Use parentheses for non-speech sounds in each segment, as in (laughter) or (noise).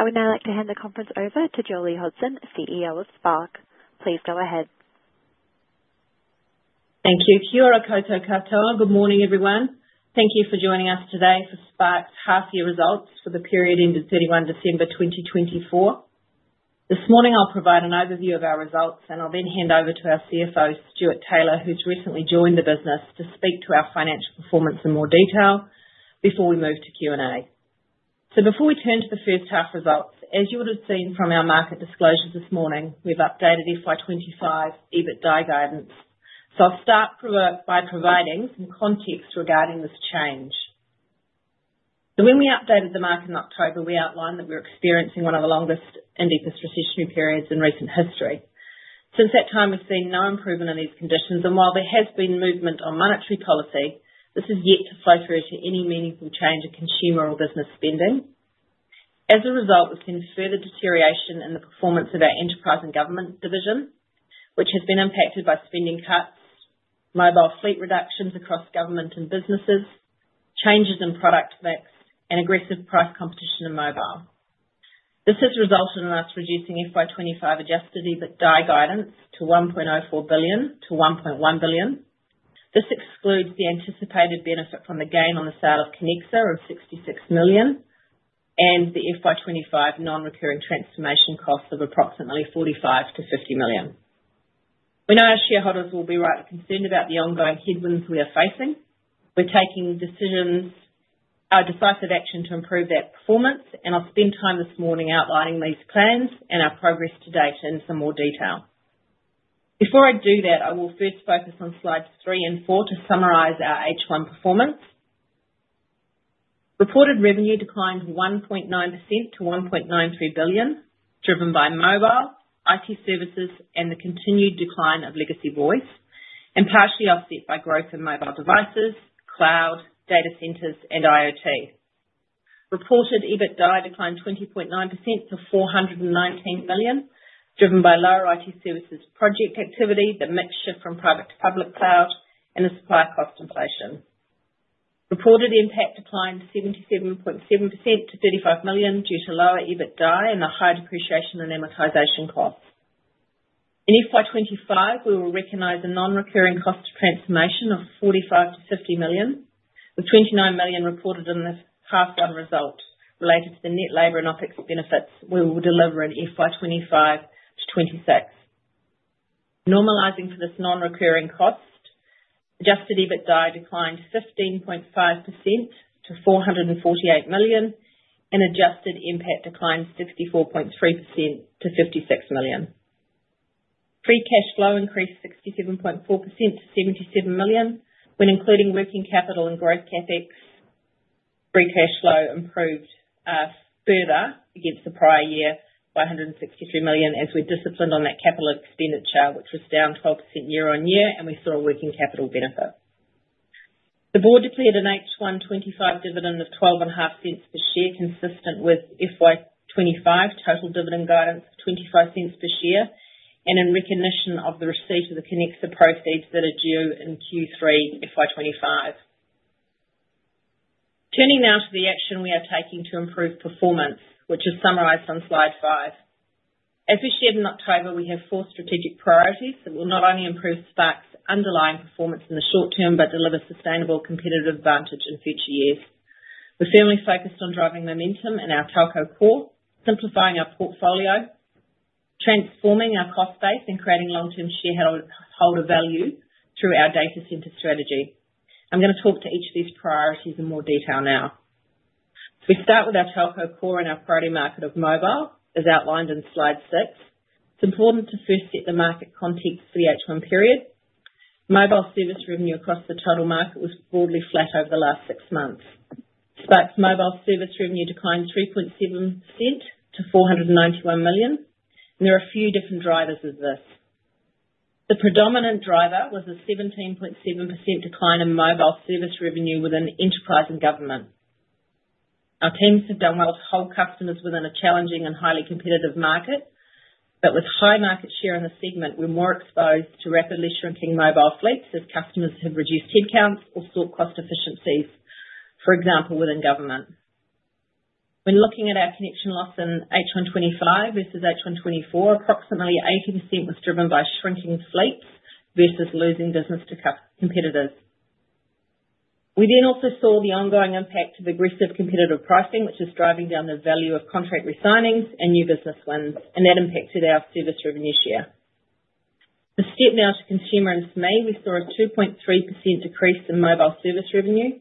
I would now like to hand the conference over to Jolie Hodson, CEO of Spark. Please go ahead. Thank you. (audio distortion) Good morning, everyone. Thank you for joining us today for Spark's half-year results for the period ending 31 December 2024. This morning, I'll provide an overview of our results, and I'll then hand over to our CFO, Stewart Taylor, who's recently joined the business, to speak to our financial performance in more detail before we move to Q&A. Before we turn to the first half results, as you would have seen from our market disclosure this morning, we've updated FY 2025 EBITDA guidance. I'll start by providing some context regarding this change. When we updated the market in October, we outlined that we're experiencing one of the longest and deepest recessionary periods in recent history. Since that time, we've seen no improvement in these conditions. While there has been movement on monetary policy, this has yet to flow through to any meaningful change in consumer or business spending. As a result, we've seen further deterioration in the performance of our enterprise and government division, which has been impacted by spending cuts, mobile fleet reductions across government and businesses, changes in product mix, and aggressive price competition in mobile. This has resulted in us reducing FY 2025 adjusted EBITDA guidance to 1.04 billion-1.1 billion. This excludes the anticipated benefit from the gain on the sale of Connexa of 66 million and the FY 2025 non-recurring transformation cost of approximately 45 million-50 million. We know our shareholders will be rightly concerned about the ongoing headwinds we are facing. We're taking decisions, decisive action to improve that performance. I'll spend time this morning outlining these plans and our progress to date in some more detail. Before I do that, I will first focus on slides three and four to summarize our H1 performance. Reported revenue declined 1.9% to 1.93 billion, driven by mobile, IT services, and the continued decline of legacy voice, and partially offset by growth in mobile devices, cloud, data centers, and IoT. Reported EBITDA declined 20.9% to 419 million, driven by lower IT services project activity, the mixture from private to public cloud, and the supply cost inflation. Reported profit declined 77.7% to 35 million due to lower EBITDA and the high depreciation and amortization costs. In FY 2025, we will recognize a non-recurring cost of transformation of 45 million-50 million, with 29 million reported in the half-year result related to the net labor and opex benefits we will deliver in FY 2025-FY 2026. Normalizing for this non-recurring cost, adjusted EBITDA declined 15.5% to 448 million, and adjusted NPAT declined 64.3% to 56 million. Free cash flow increased 67.4% to 77 million. When including working capital and growth CapEx, free cash flow improved further against the prior year by 163 million, as we're disciplined on that capital expenditure, which was down 12% year-on-year, and we saw a working capital benefit. The board declared an H1 2025 dividend of 0.125 per share, consistent with FY 2025 total dividend guidance of 0.25 per share, and in recognition of the receipt of the Connexa proceeds that are due in Q3 FY 2025. Turning now to the action we are taking to improve performance, which is summarized on slide five. As we shared in October, we have four strategic priorities that will not only improve Spark's underlying performance in the short term but deliver sustainable competitive advantage in future years. We're firmly focused on driving momentum in our telco core, simplifying our portfolio, transforming our cost base, and creating long-term shareholder value through our data center strategy. I'm going to talk to each of these priorities in more detail now. We start with our telco core and our priority market of mobile, as outlined in slide six. It's important to first set the market context for the H1 period. Mobile service revenue across the total market was broadly flat over the last six months. Spark's mobile service revenue declined 3.7% to 491 million. There are a few different drivers of this. The predominant driver was a 17.7% decline in mobile service revenue within enterprise and government. Our teams have done well to hold customers within a challenging and highly competitive market, but with high market share in the segment, we're more exposed to rapidly shrinking mobile fleets as customers have reduced headcounts or sought cost efficiencies, for example, within government. When looking at our connection loss in H1 2025 versus H1 2024, approximately 80% was driven by shrinking fleets versus losing business to competitors. We then also saw the ongoing impact of aggressive competitive pricing, which is driving down the value of contract re-signings and new business wins, and that impacted our service revenue share. The step now to consumer and SME, we saw a 2.3% decrease in mobile service revenue,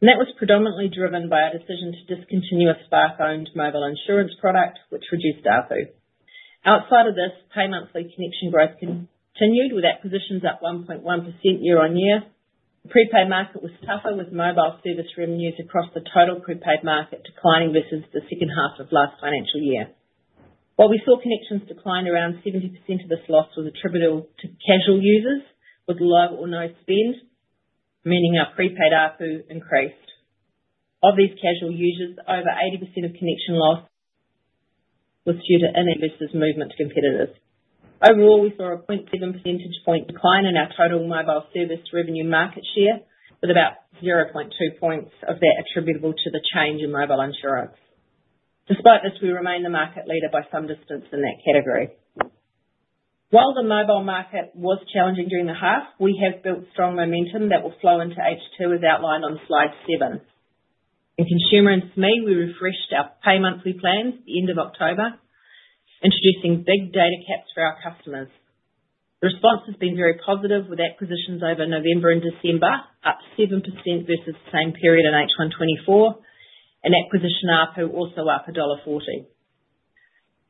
and that was predominantly driven by our decision to discontinue a Spark-owned mobile insurance product, which reduced APU. Outside of this, pay-monthly connection growth continued with acquisitions up 1.1% year-on-year. The prepaid market was tougher with mobile service revenues across the total prepaid market declining versus the second half of last financial year. While we saw connections decline. Around 70% of this loss was attributable to casual users with low or no spend, meaning our prepaid APU increased. Of these casual users, over 80% of connection loss was due to uninvested movement to competitors. Overall, we saw a 0.7 percentage point decline in our total mobile service revenue market share, with about 0.2 points of that attributable to the change in mobile insurance. Despite this, we remain the market leader by some distance in that category. While the mobile market was challenging during the half, we have built strong momentum that will flow into H2 as outlined on slide seven. In consumer and to me, we refreshed our pay-monthly plans at the end of October, introducing big data caps for our customers. The response has been very positive with acquisitions over November and December, up 7% versus the same period in H1 2024, and acquisition APU also up dollar 1.40.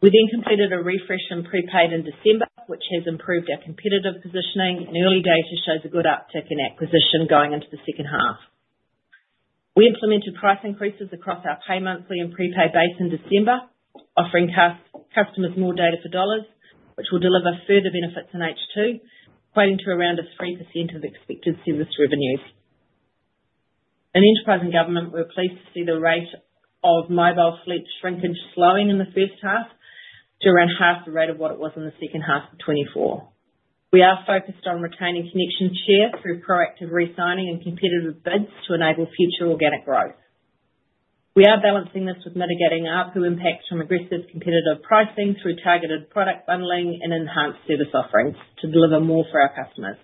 We then completed a refresh in prepaid in December, which has improved our competitive positioning, and early data shows a good uptick in acquisition going into the second half. We implemented price increases across our pay-monthly and prepaid base in December, offering customers more data for dollars, which will deliver further benefits in H2, equating to around 3% of expected service revenues. In enterprise and government, we're pleased to see the rate of mobile fleet shrinkage slowing in the first half to around half the rate of what it was in the second half of 2024. We are focused on retaining connection share through proactive re-signing and competitive bids to enable future organic growth. We are balancing this with mitigating APU impacts from aggressive competitive pricing through targeted product bundling and enhanced service offerings to deliver more for our customers.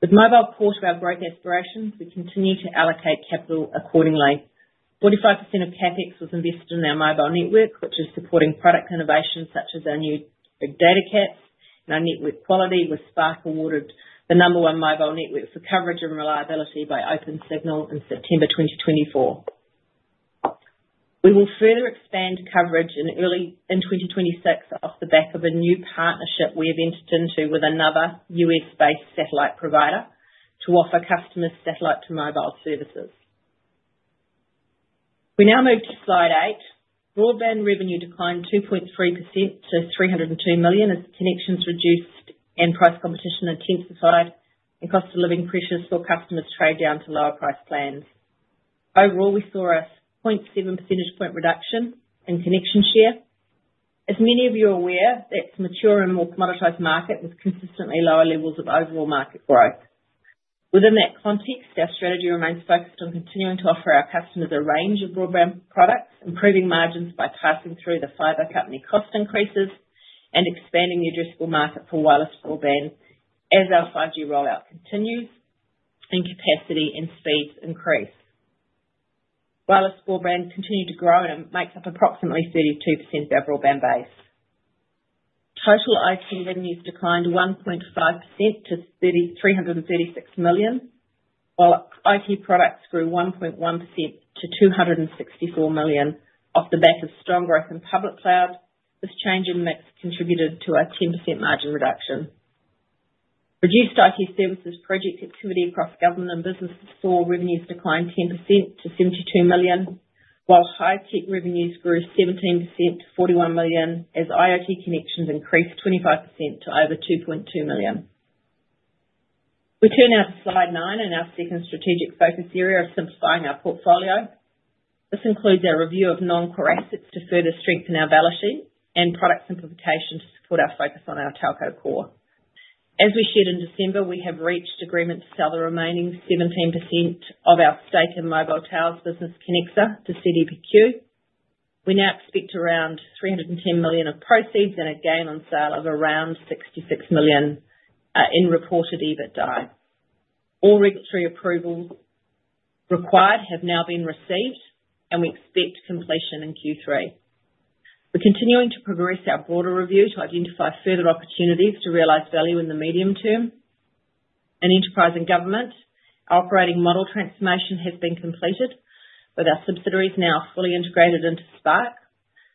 With mobile core to our growth aspirations, we continue to allocate capital accordingly. 45% of CapEx was invested in our mobile network, which is supporting product innovation such as our new big data caps and our network quality, with Spark awarded the number one mobile network for coverage and reliability by Opensignal in September 2024. We will further expand coverage in early 2026 off the back of a new partnership we have entered into with another U.S.-based satellite provider to offer customers satellite-to-mobile services. We now move to slide eight. Broadband revenue declined 2.3% to 302 million as connections reduced and price competition intensified, and cost of living pressures saw customers trade down to lower price plans. Overall, we saw a 0.7 percentage point reduction in connection share. As many of you are aware, that's a mature and more commoditized market with consistently lower levels of overall market growth. Within that context, our strategy remains focused on continuing to offer our customers a range of broadband products, improving margins by passing through the fiber company cost increases and expanding the addressable market for wireless broadband as our 5G rollout continues and capacity and speeds increase. Wireless broadband continued to grow and makes up approximately 32% of our broadband base. Total IT revenues declined 1.5% to 336 million, while IT products grew 1.1% to 264 million off the back of strong growth in public cloud. This change in mix contributed to a 10% margin reduction. Reduced IT services project activity across government and business saw revenues decline 10% to 72 million, while high-tech revenues grew 17% to 41 million as IoT connections increased 25% to over 2.2 million. We turn now to slide nine and our second strategic focus area of simplifying our portfolio. This includes our review of non-core assets to further strengthen our balance sheet and product simplification to support our focus on our telco core. As we shared in December, we have reached agreement to sell the remaining 17% of our stake in mobile towers business, Connexa, to CDPQ. We now expect around 310 million of proceeds and a gain on sale of around 66 million in reported EBITDA. All regulatory approvals required have now been received, and we expect completion in Q3. We're continuing to progress our broader review to identify further opportunities to realize value in the medium term. In enterprise and government, our operating model transformation has been completed, with our subsidiaries now fully integrated into Spark.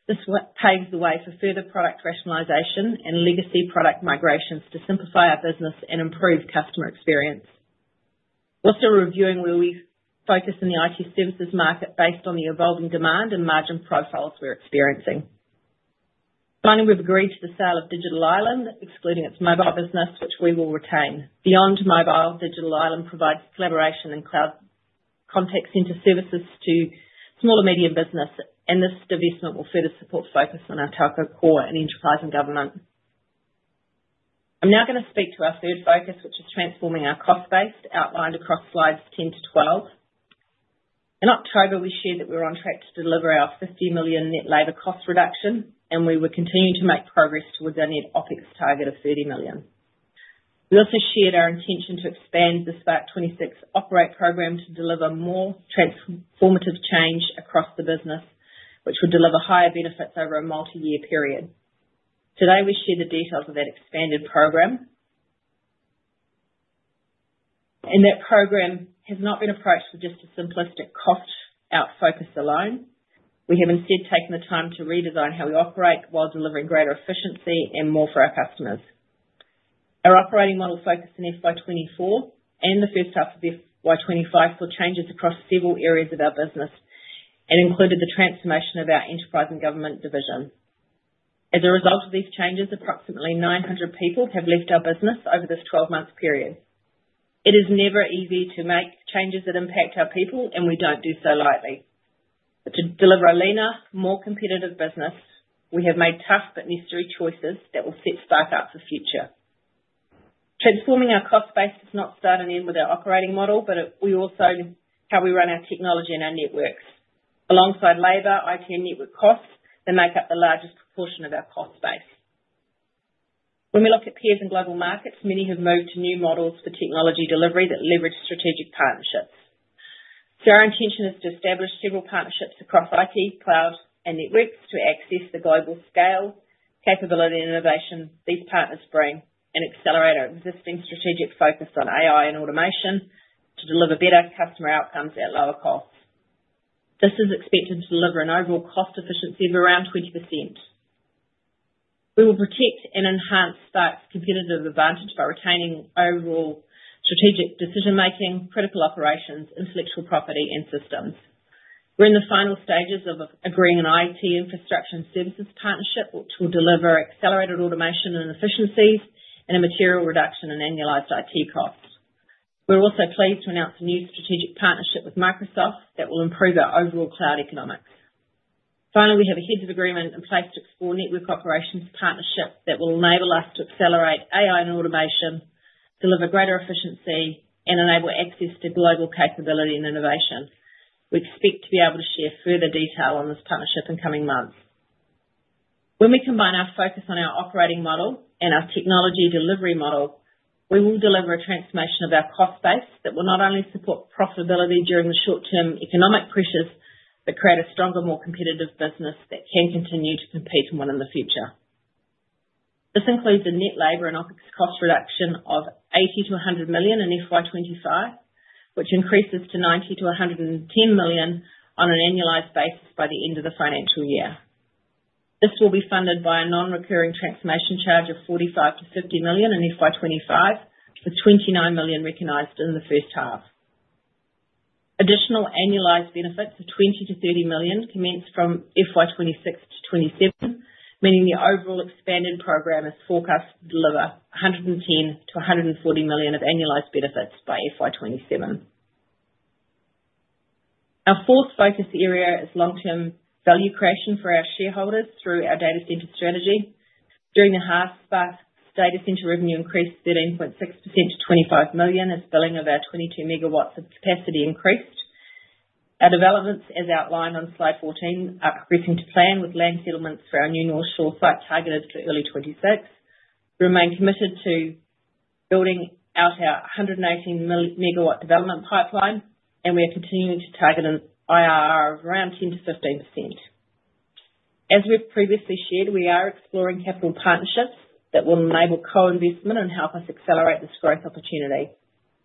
This paves the way for further product rationalization and legacy product migrations to simplify our business and improve customer experience. Also, reviewing where we focus in the IT services market based on the evolving demand and margin profiles we're experiencing. Finally, we've agreed to the sale of Digital Island, excluding its mobile business, which we will retain. Beyond mobile, Digital Island provides collaboration and cloud contact center services to small and medium business, and this divestment will further support focus on our telco core in enterprise and government. I'm now going to speak to our third focus, which is transforming our cost base, outlined across slides 10 to 12. In October, we shared that we were on track to deliver our 50 million net labor cost reduction, and we were continuing to make progress towards our net OpEx target of 30 million. We also shared our intention to expand the SPK-26 Operate Programme to deliver more transformative change across the business, which would deliver higher benefits over a multi-year period. Today, we shared the details of that expanded program. That program has not been approached with just a simplistic cost-out focus alone. We have instead taken the time to redesign how we operate while delivering greater efficiency and more for our customers. Our operating model focused in FY 2024 and the first half of FY 2025 saw changes across several areas of our business and included the transformation of our enterprise and government division. As a result of these changes, approximately 900 people have left our business over this 12-month period. It is never easy to make changes that impact our people, and we don't do so lightly. To deliver a leaner, more competitive business, we have made tough but necessary choices that will set Spark up for the future. Transforming our cost base does not start and end with our operating model, but we also transform how we run our technology and our networks alongside labor, IT, and network costs that make up the largest proportion of our cost base. When we look at peers in global markets, many have moved to new models for technology delivery that leverage strategic partnerships. So our intention is to establish several partnerships across IT, cloud, and networks to access the global scale, capability, and innovation these partners bring and accelerate our existing strategic focus on AI and automation to deliver better customer outcomes at lower costs. This is expected to deliver an overall cost efficiency of around 20%. We will protect and enhance Spark's competitive advantage by retaining overall strategic decision-making, critical operations, intellectual property, and systems. We're in the final stages of agreeing on an IT infrastructure and services partnership, which will deliver accelerated automation and efficiencies and a material reduction in annualized IT costs. We're also pleased to announce a new strategic partnership with Microsoft that will improve our overall cloud economics. Finally, we have a heads-up agreement in place to explore network operations partnership that will enable us to accelerate AI and automation, deliver greater efficiency, and enable access to global capability and innovation. We expect to be able to share further detail on this partnership in coming months. When we combine our focus on our operating model and our technology delivery model, we will deliver a transformation of our cost base that will not only support profitability during the short-term economic pressures but create a stronger, more competitive business that can continue to compete and win in the future. This includes a net labor and OpEx cost reduction of 80 million-100 million in FY 2025, which increases to 90 million-110 million on an annualized basis by the end of the financial year. This will be funded by a non-recurring transformation charge of 45 million-50 million in FY 2025, with 29 million recognized in the first half. Additional annualized benefits of 20 million-30 million commence from FY 2026 to FY 2027, meaning the overall expanded program is forecast to deliver 110 million-140 million of annualized benefits by FY 2027. Our fourth focus area is long-term value creation for our shareholders through our data center strategy. During the half, Spark's data center revenue increased 13.6% to 25 million as billing of our 22 MW of capacity increased. Our developments, as outlined on slide 14, are progressing to plan with land settlements for our new North Shore site targeted for early 2026. We remain committed to building out our 118 MW development pipeline, and we are continuing to target an IRR of around 10%-15%. As we've previously shared, we are exploring capital partnerships that will enable co-investment and help us accelerate this growth opportunity.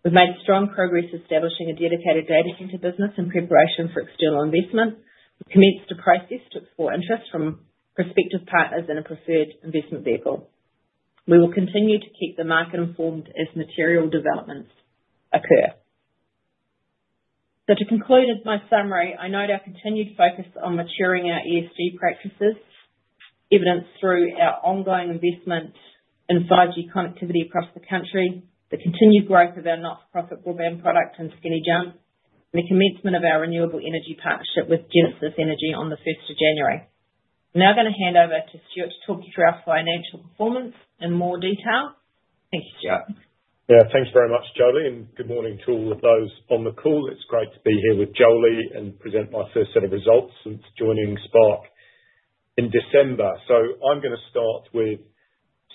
We've made strong progress establishing a dedicated data center business in preparation for external investment. We commenced the process to explore interest from prospective partners and a preferred investment vehicle. We will continue to keep the market informed as material developments occur. So to conclude my summary, I note our continued focus on maturing our ESG practices, evidenced through our ongoing investment in 5G connectivity across the country, the continued growth of our not-for-profit broadband product in Skinny Jump, and the commencement of our renewable energy partnership with Genesis Energy on the 1st of January. I'm now going to hand over to Stewart to talk you through our financial performance in more detail. Thank you, Stewart. Yeah, thanks very much, Jolie, and good morning to all of those on the call. It's great to be here with Jolie and present my first set of results since joining Spark in December. So I'm going to start with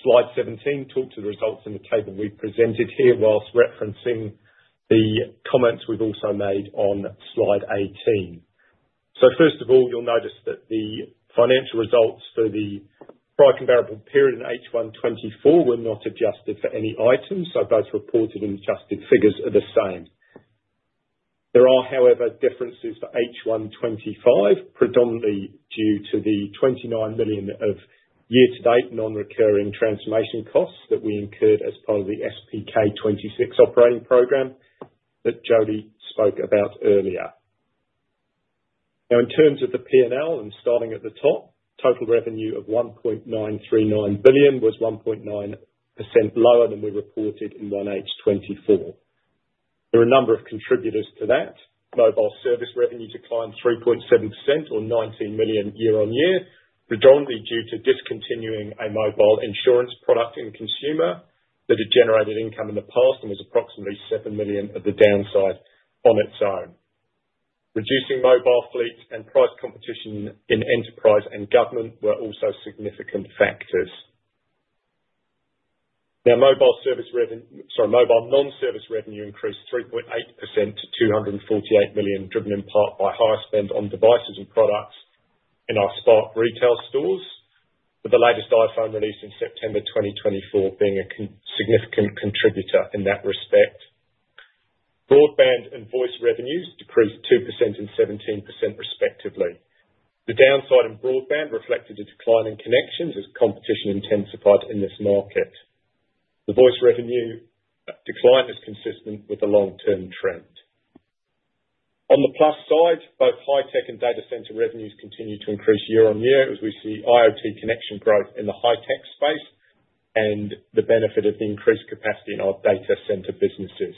slide 17, talk to the results in the table we've presented here whilst referencing the comments we've also made on slide 18. So first of all, you'll notice that the financial results for the prior comparable period in H1 2024 were not adjusted for any items, so both reported and adjusted figures are the same. There are, however, differences for H1 2025, predominantly due to the 29 million of year-to-date non-recurring transformation costs that we incurred as part of the SPK-26 Operate Programme that Jolie spoke about earlier. Now, in terms of the P&L and starting at the top, total revenue of 1.939 billion was 1.9% lower than we reported in 1H 2024. There are a number of contributors to that. Mobile service revenue declined 3.7%, or 19 million year-on-year, predominantly due to discontinuing a mobile insurance product and consumer that had generated income in the past and was approximately 7 million of the downside on its own. Reducing mobile fleet and price competition in enterprise and government were also significant factors. Now, mobile service revenue, sorry, mobile non-service revenue, increased 3.8% to 248 million, driven in part by higher spend on devices and products in our Spark retail stores, with the latest iPhone released in September 2024 being a significant contributor in that respect. Broadband and voice revenues decreased 2% and 17%, respectively. The downside in broadband reflected a decline in connections as competition intensified in this market. The voice revenue decline is consistent with the long-term trend. On the plus side, both high-tech and data center revenues continue to increase year-on-year as we see IoT connection growth in the high-tech space and the benefit of the increased capacity in our data center businesses.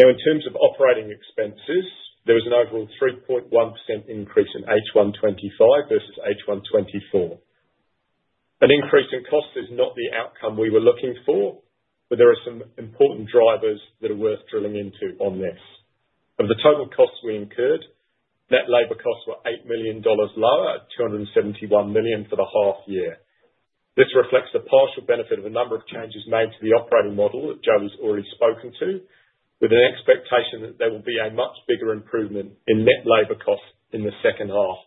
Now, in terms of operating expenses, there was an overall 3.1% increase in H1 2025 versus H1 2024. An increase in cost is not the outcome we were looking for, but there are some important drivers that are worth drilling into on this. Of the total costs we incurred, net labor costs were 8 million dollars lower, 271 million for the half year. This reflects the partial benefit of a number of changes made to the operating model that Jolie's already spoken to, with an expectation that there will be a much bigger improvement in net labor costs in the second half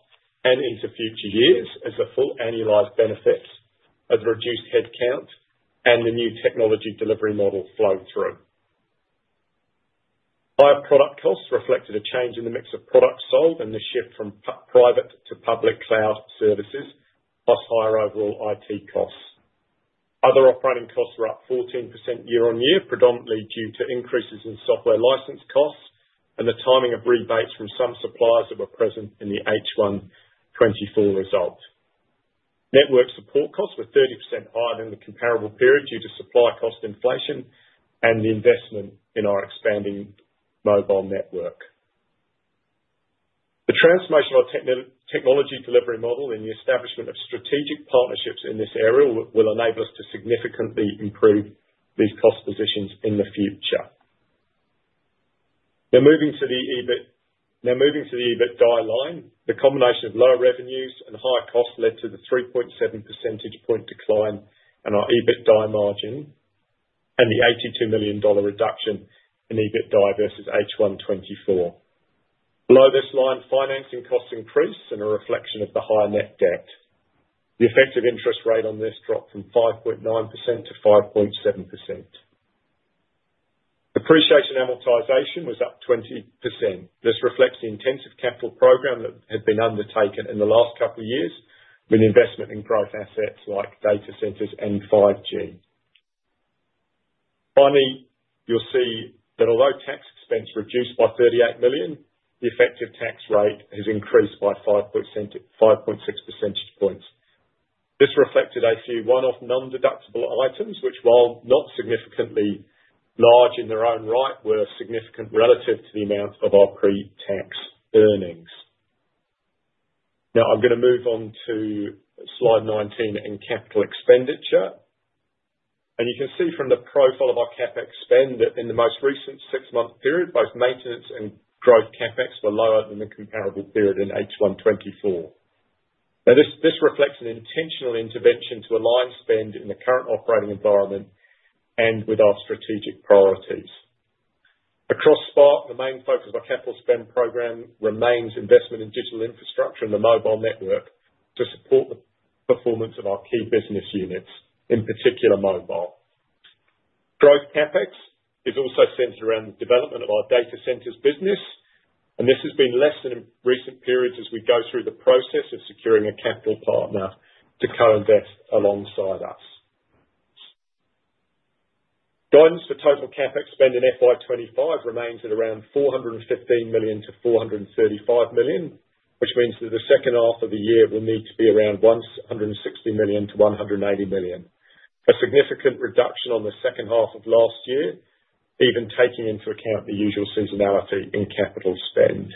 and into future years as the full annualized benefits of the reduced headcount and the new technology delivery model flow through. Higher product costs reflected a change in the mix of product sold and the shift from private to public cloud services plus higher overall IT costs. Other operating costs were up 14% year-on-year, predominantly due to increases in software license costs and the timing of rebates from some suppliers that were present in the H1 2024 result. Network support costs were 30% higher than the comparable period due to supply cost inflation and the investment in our expanding mobile network. The transformation of our technology delivery model and the establishment of strategic partnerships in this area will enable us to significantly improve these cost positions in the future. Now, moving to the EBITDA line, the combination of lower revenues and higher costs led to the 3.7 percentage point decline in our EBITDA margin and the 82 million dollar reduction in EBITDA versus H1 2024. Below this line, financing costs increased and are a reflection of the high net debt. The effective interest rate on this dropped from 5.9% to 5.7%. Depreciation and amortization was up 20%. This reflects the intensive capital program that had been undertaken in the last couple of years with investment in growth assets like data centers and 5G. Finally, you'll see that although tax expense reduced by 38 million, the effective tax rate has increased by 5.6 percentage points. This reflected a few one-off non-deductible items, which, while not significantly large in their own right, were significant relative to the amount of our pre-tax earnings. Now, I'm going to move on to slide 19 in capital expenditure. And you can see from the profile of our CapEx spend that in the most recent six-month period, both maintenance and growth CapEx were lower than the comparable period in H1 2024. Now, this reflects an intentional intervention to align spend in the current operating environment and with our strategic priorities. Across Spark, the main focus of our capital spend program remains investment in digital infrastructure and the mobile network to support the performance of our key business units, in particular mobile. Growth CapEx is also centered around the development of our data centers business, and this has been lessened in recent periods as we go through the process of securing a capital partner to co-invest alongside us. Guidance for total CapEx spend in FY 2025 remains at around 415 million-435 million, which means that the second half of the year will need to be around 160 million-180 million. A significant reduction on the second half of last year, even taking into account the usual seasonality in capital spend.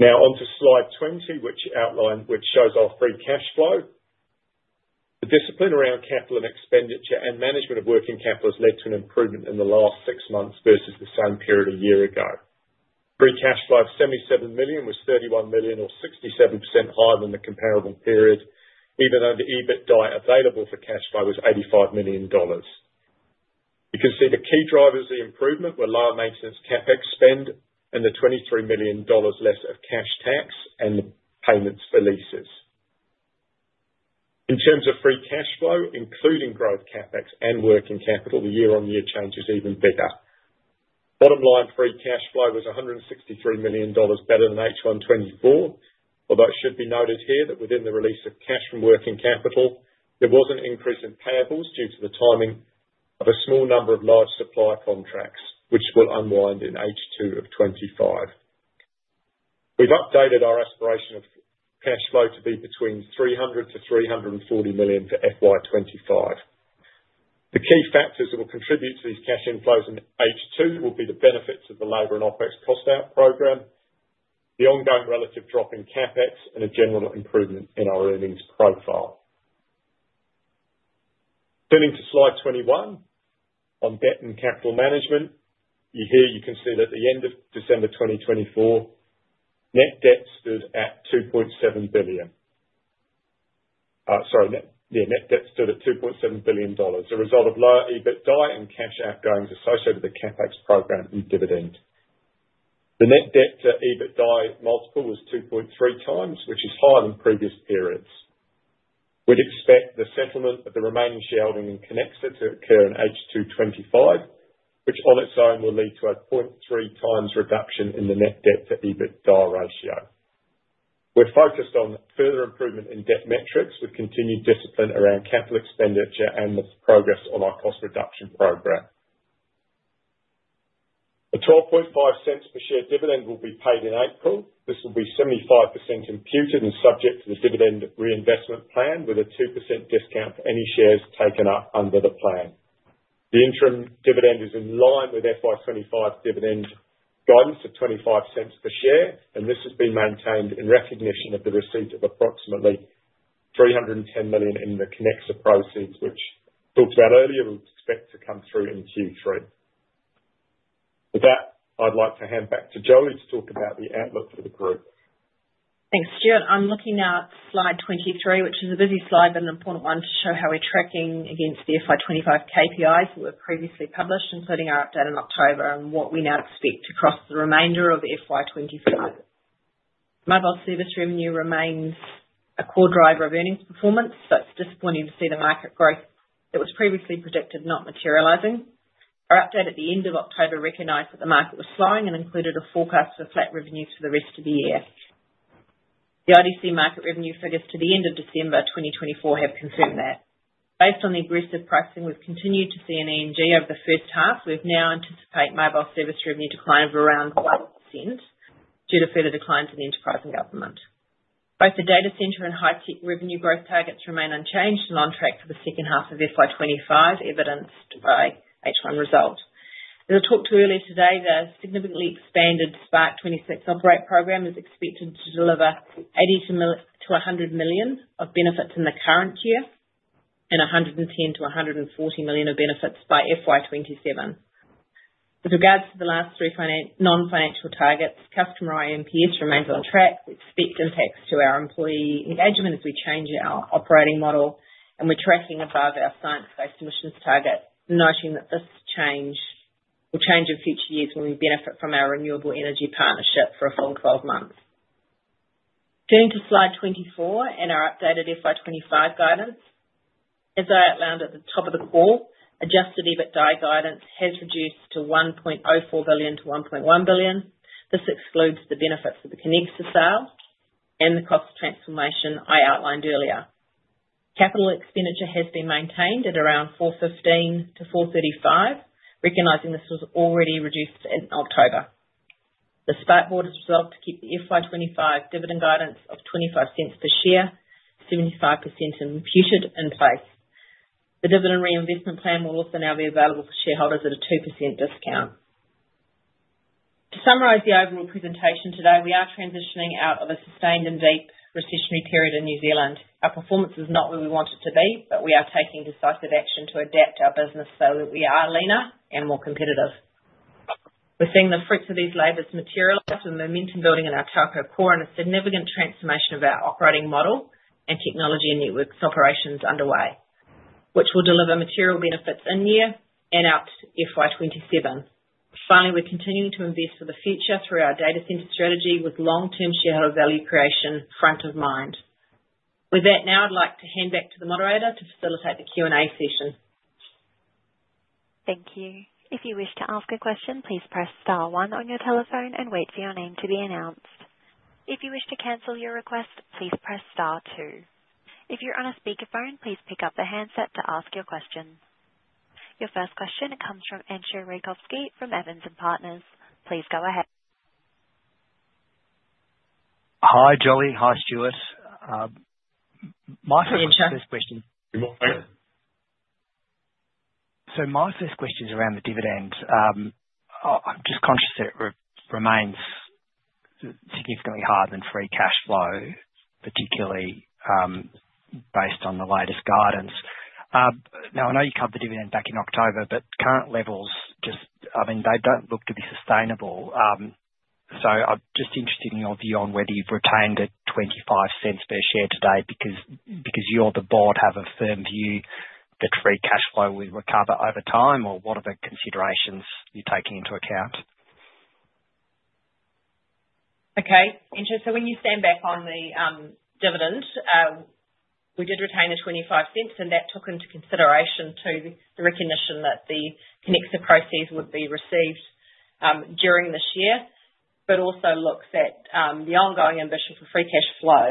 Now, on to slide 20, which shows our free cash flow. The discipline around capital and expenditure and management of working capital has led to an improvement in the last six months versus the same period a year ago. Free cash flow of 77 million was 31 million, or 67% higher than the comparable period, even though the EBITDA available for cash flow was 85 million dollars. You can see the key drivers of the improvement were lower maintenance CapEx spend and the 23 million dollars less of cash tax and payments for leases. In terms of free cash flow, including growth CapEx and working capital, the year-on-year change is even bigger. Bottom line, free cash flow was 163 million dollars better than H1 2024, although it should be noted here that within the release of cash from working capital, there was an increase in payables due to the timing of a small number of large supply contracts, which will unwind in H2 of 2025. We've updated our aspiration of cash flow to be between 300 million-340 million for FY 2025. The key factors that will contribute to these cash inflows in H2 will be the benefits of the labor and OpEx cost-out program, the ongoing relative drop in CapEx, and a general improvement in our earnings profile. Turning to slide 21 on debt and capital management, here you can see that at the end of December 2024, net debt stood at 2.7 billion. Sorry, net debt stood at 2.7 billion dollars, a result of lower EBITDA and cash outgoings associated with the CapEx program and dividend. The net debt to EBITDA multiple was 2.3 times, which is higher than previous periods. We'd expect the settlement of the remaining shareholding in Connexa to occur in H2 2025, which on its own will lead to a 0.3x reduction in the net debt to EBITDA ratio. We're focused on further improvement in debt metrics with continued discipline around capital expenditure and the progress on our cost reduction program. A NZD 0.125 per share dividend will be paid in April. This will be 75% imputed and subject to the dividend reinvestment plan with a 2% discount for any shares taken up under the plan. The interim dividend is in line with FY 2025 dividend guidance of 0.25 per share, and this has been maintained in recognition of the receipt of approximately 310 million in the Connexa proceeds, which we talked about earlier we would expect to come through in Q3. With that, I'd like to hand back to Jolie to talk about the outlook for the group. Thanks, Stewart. I'm looking at slide 23, which is a busy slide but an important one to show how we're tracking against the FY 20 2025 KPIs that were previously published, including our update in October and what we now expect across the remainder of FY25. Mobile service revenue remains a core driver of earnings performance, so it's disappointing to see the market growth that was previously predicted not materializing. Our update at the end of October recognized that the market was slowing and included a forecast for flat revenues for the rest of the year. The IDC market revenue figures to the end of December 2024 have confirmed that. Based on the aggressive pricing, we've continued to see an erosion over the first half. We now anticipate mobile service revenue decline of around 1% due to further declines in enterprise and government. Both the data center and high-tech revenue growth targets remain unchanged and on track for the second half of FY 2025, evidenced by H1 result. As I talked to earlier today, the significantly expanded SPK-26 Operate Programme is expected to deliver 80 million-100 million of benefits in the current year and 110 million-140 million of benefits by FY 2027. With regards to the last three non-financial targets, customer NPS remains on track. We expect impacts to our employee engagement as we change our operating model, and we're tracking above our science-based emissions target, noting that this change will change in future years when we benefit from our renewable energy partnership for a full 12 months. Turning to slide 24 and our updated FY 2025 guidance, as I outlined at the top of the call, adjusted EBITDA guidance has reduced to 1.04 billion-1.1 billion. This excludes the benefits of the Connexa sale and the cost transformation I outlined earlier. Capital expenditure has been maintained at around 415 million-435 million, recognizing this was already reduced in October. The Spark Board has resolved to keep the FY 2025 dividend guidance of 0.25 per share, 75% imputed in place. The dividend reinvestment plan will also now be available for shareholders at a 2% discount. To summarize the overall presentation today, we are transitioning out of a sustained and deep recessionary period in New Zealand. Our performance is not where we want it to be, but we are taking decisive action to adapt our business so that we are leaner and more competitive. We're seeing the fruits of these labors materialize with momentum building in our telco core and a significant transformation of our operating model and technology and networks operations underway, which will deliver material benefits in year and out FY 2027. Finally, we're continuing to invest for the future through our data center strategy with long-term shareholder value creation front of mind. With that, now I'd like to hand back to the moderator to facilitate the Q&A session. Thank you. If you wish to ask a question, please press star one on your telephone and wait for your name to be announced. If you wish to cancel your request, please press star two. If you're on a speakerphone, please pick up the handset to ask your question. Your first question comes from Entcho Raykovski from Evans & Partners. Please go ahead. Hi, Jolie. Hi, Stewart. My first question. Good morning. So my first question is around the dividend. I'm just conscious that it remains significantly higher than free cash flow, particularly based on the latest guidance. Now, I know you covered the dividend back in October, but current levels, just I mean, they don't look to be sustainable. So I'm just interested in your view on whether you've retained a 0.25 per share today because you or the board have a firm view that free cash flow will recover over time, or what are the considerations you're taking into account? Okay. Interesting. So when you stand back on the dividend, we did retain a 0.25, and that took into consideration too the recognition that the Connexa proceeds would be received during this year, but also looks at the ongoing ambition for free cash flow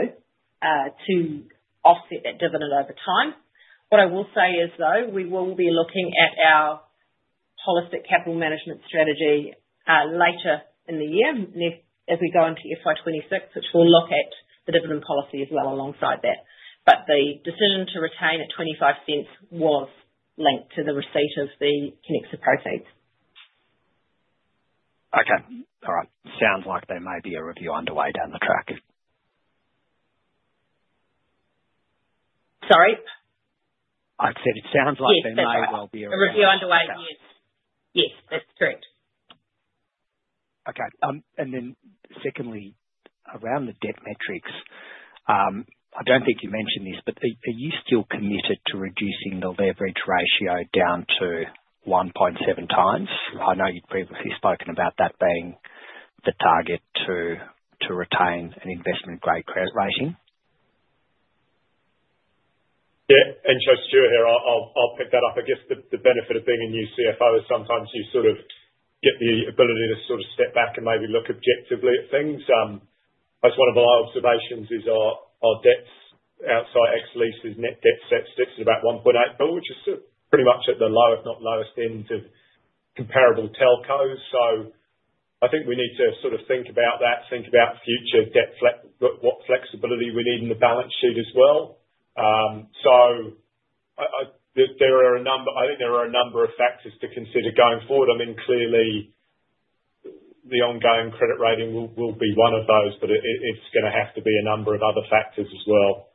to offset that dividend over time. What I will say is, though, we will be looking at our holistic capital management strategy later in the year as we go into FY 2026, which will look at the dividend policy as well alongside that. But the decision to retain 0.25 was linked to the receipt of the Connexa proceeds. Okay. All right. Sounds like there may be a review underway down the track. Sorry? I said it sounds like there may well be a review. A review underway, yes. Yes, that's correct. Okay. And then secondly, around the debt metrics, I don't think you mentioned this, but are you still committed to reducing the leverage ratio down to 1.7x? I know you'd previously spoken about that being the target to retain an investment-grade credit rating. Yeah. Stewart here. I'll pick that up. I guess the benefit of being a new CFO is sometimes you sort of get the ability to sort of step back and maybe look objectively at things. That's one of my observations is our debt ex-leases, net debt sits at about 1.8 billion, which is pretty much at the lowest, if not lowest, end of comparable telcos. So I think we need to sort of think about that, think about future debt flexibility we need in the balance sheet as well. So, I think there are a number of factors to consider going forward. I mean, clearly, the ongoing credit rating will be one of those, but it's going to have to be a number of other factors as well.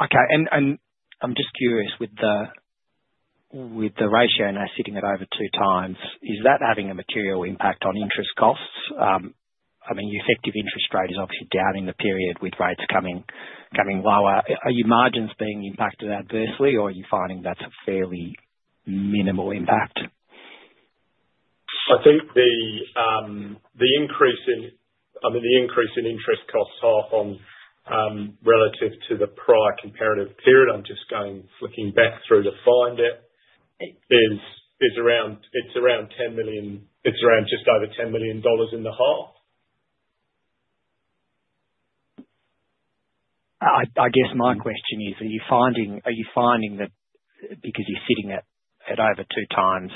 Okay. And I'm just curious with the ratio now sitting at over two times, is that having a material impact on interest costs? I mean, the effective interest rate is obviously down in the period with rates coming lower. Are your margins being impacted adversely, or are you finding that's a fairly minimal impact? I think the increase in, I mean, the increase in interest costs half on relative to the prior comparative period. I'm just going flicking back through to find it. It's around 10 million. It's around just over 10 million dollars in the half. I guess my question is, are you finding that because you're sitting at over two times,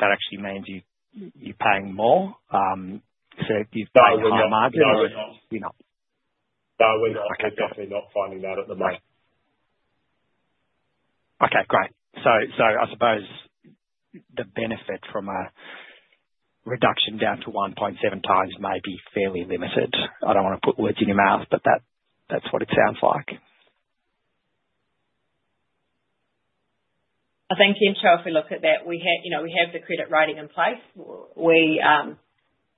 that actually means you're paying more? So you've got a higher margin, or you're not? No, we're not. No, we're not. Okay. Definitely not finding that at the moment. Okay. Great. So I suppose the benefit from a reduction down to 1.7x may be fairly limited. I don't want to put words in your mouth, but that's what it sounds like. I think in short, if we look at that, we have the credit rating in place,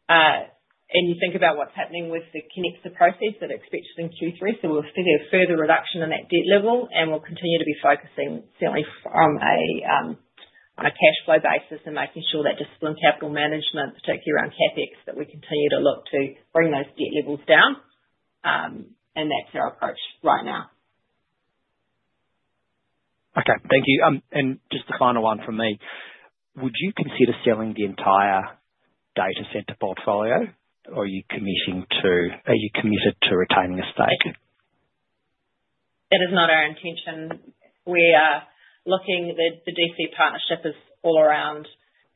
and you think about what's happening with the Connexa proceeds that are expected in Q3, so we'll see a further reduction in that debt level, and we'll continue to be focusing certainly on a cash flow basis and making sure that disciplined capital management, particularly around CapEx, that we continue to look to bring those debt levels down, and that's our approach right now. Okay. Thank you, and just the final one from me. Would you consider selling the entire data center portfolio, or are you committed to retaining a stake? That is not our intention. We are looking. The DC partnership is all around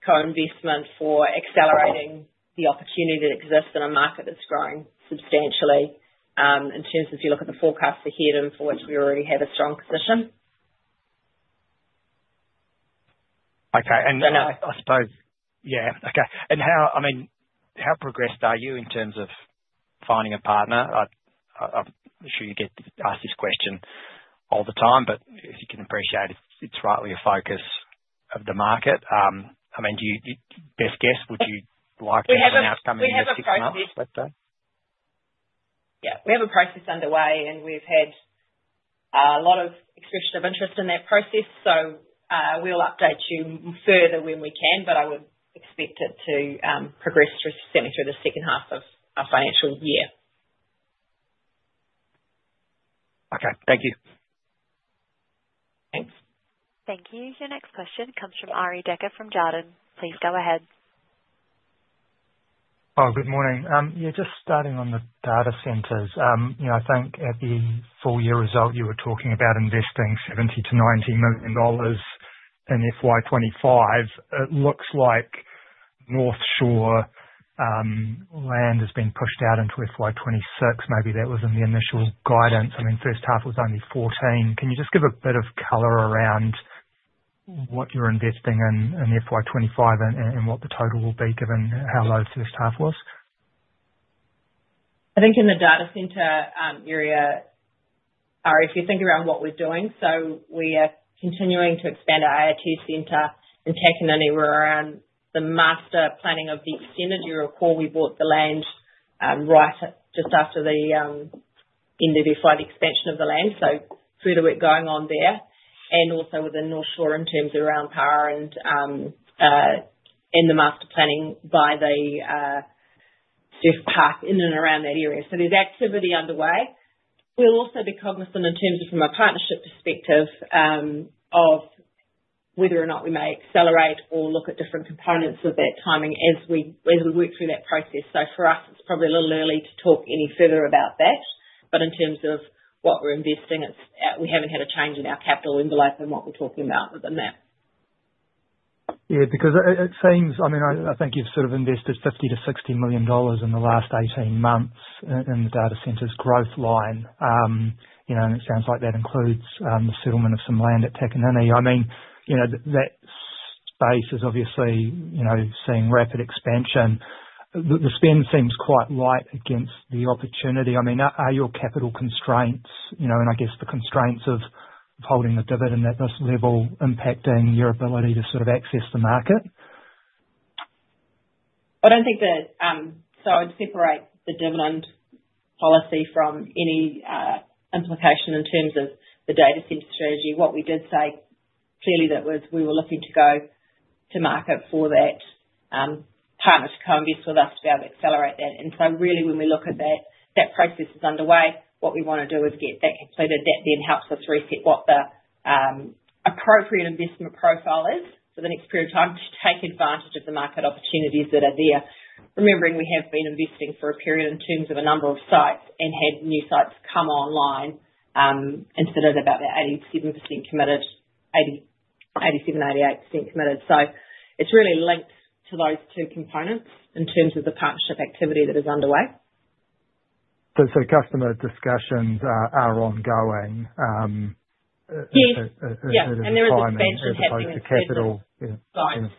co-investment for accelerating the opportunity that exists in a market that's growing substantially in terms of if you look at the forecast for here and for which we already have a strong position. Okay. And I suppose, yeah. Okay. And I mean, how progressed are you in terms of finding a partner? I'm sure you get asked this question all the time, but as you can appreciate, it's rightly a focus of the market. I mean, best guess, would you like to have an outcome in this case? We have a process. Let's say? Yeah. We have a process underway, and we've had a lot of expression of interest in that process, so we'll update you further when we can, but I would expect it to progress through, certainly through, the second half of our financial year. Okay. Thank you. Thanks. Thank you. Your next question comes from Arie Dekker from Jarden. Please go ahead. Oh, good morning. Yeah, just starting on the data centers, I think at the full year result, you were talking about investing 70 million-90 million dollars in FY 2025. It looks like North Shore land has been pushed out into FY 2026. Maybe that was in the initial guidance. I mean, first half was only 14 million. Can you just give a bit of color around what you're investing in FY 2025 and what the total will be given how low first half was? I think in the data center area, Arie, if you think around what we're doing, so we are continuing to expand our IoT center and taking anywhere around the master planning of the extended. You recall we bought the land right just after the end of the first expansion of the land, so further work going on there. And also within North Shore in terms of around power and the master planning by the Surf Park in and around that area. So there's activity underway. We'll also be cognizant in terms of from a partnership perspective of whether or not we may accelerate or look at different components of that timing as we work through that process. So for us, it's probably a little early to talk any further about that. But in terms of what we're investing, we haven't had a change in our capital envelope and what we're talking about within that. Yeah, because it seems, I mean, I think you've sort of invested 50 million-60 million dollars in the last 18 months in the data center's growth line. It sounds like that includes the settlement of some land at Takanini. I mean, that space is obviously seeing rapid expansion. The spend seems quite light against the opportunity. I mean, are your capital constraints, and I guess the constraints of holding the dividend at this level impacting your ability to sort of access the market? I don't think that so I'd separate the dividend policy from any implication in terms of the data center strategy. What we did say clearly that was we were looking to go to market for that partner to co-invest with us to be able to accelerate that. And so really, when we look at that, that process is underway. What we want to do is get that completed. That then helps us reset what the appropriate investment profile is for the next period of time to take advantage of the market opportunities that are there. Remembering we have been investing for a period in terms of a number of sites and had new sites come online. Instead, it was about that 87% committed, 87%, 88% committed. So it's really linked to those two components in terms of the partnership activity that is underway. So customer discussions are ongoing. Yeah. And there is an expansion (crosstalk) potential. Capital sites.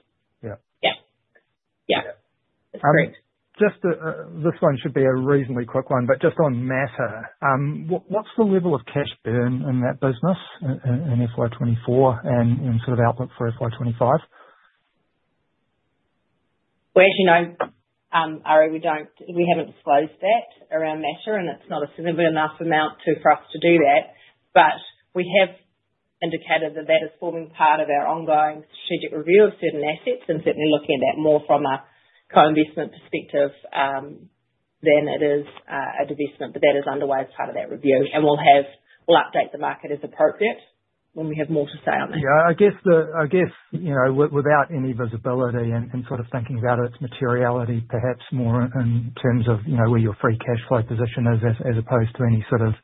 Yeah. Yeah. Yeah. That's correct. Just this one should be a reasonably quick one, but just on Mattr, what's the level of cash burn in that business in FY 2024 and sort of outlook for FY 2025? Well, as you know, Arie, we haven't disclosed that around Mattr, and it's not a significant enough amount for us to do that. But we have indicated that that is forming part of our ongoing strategic review of certain assets and certainly looking at that more from a co-investment perspective than it is a divestment. But that is underway as part of that review. And we'll update the market as appropriate when we have more to say on that. Yeah. I guess without any visibility and sort of thinking about its materiality, perhaps more in terms of where your free cash flow position is as opposed to any sort of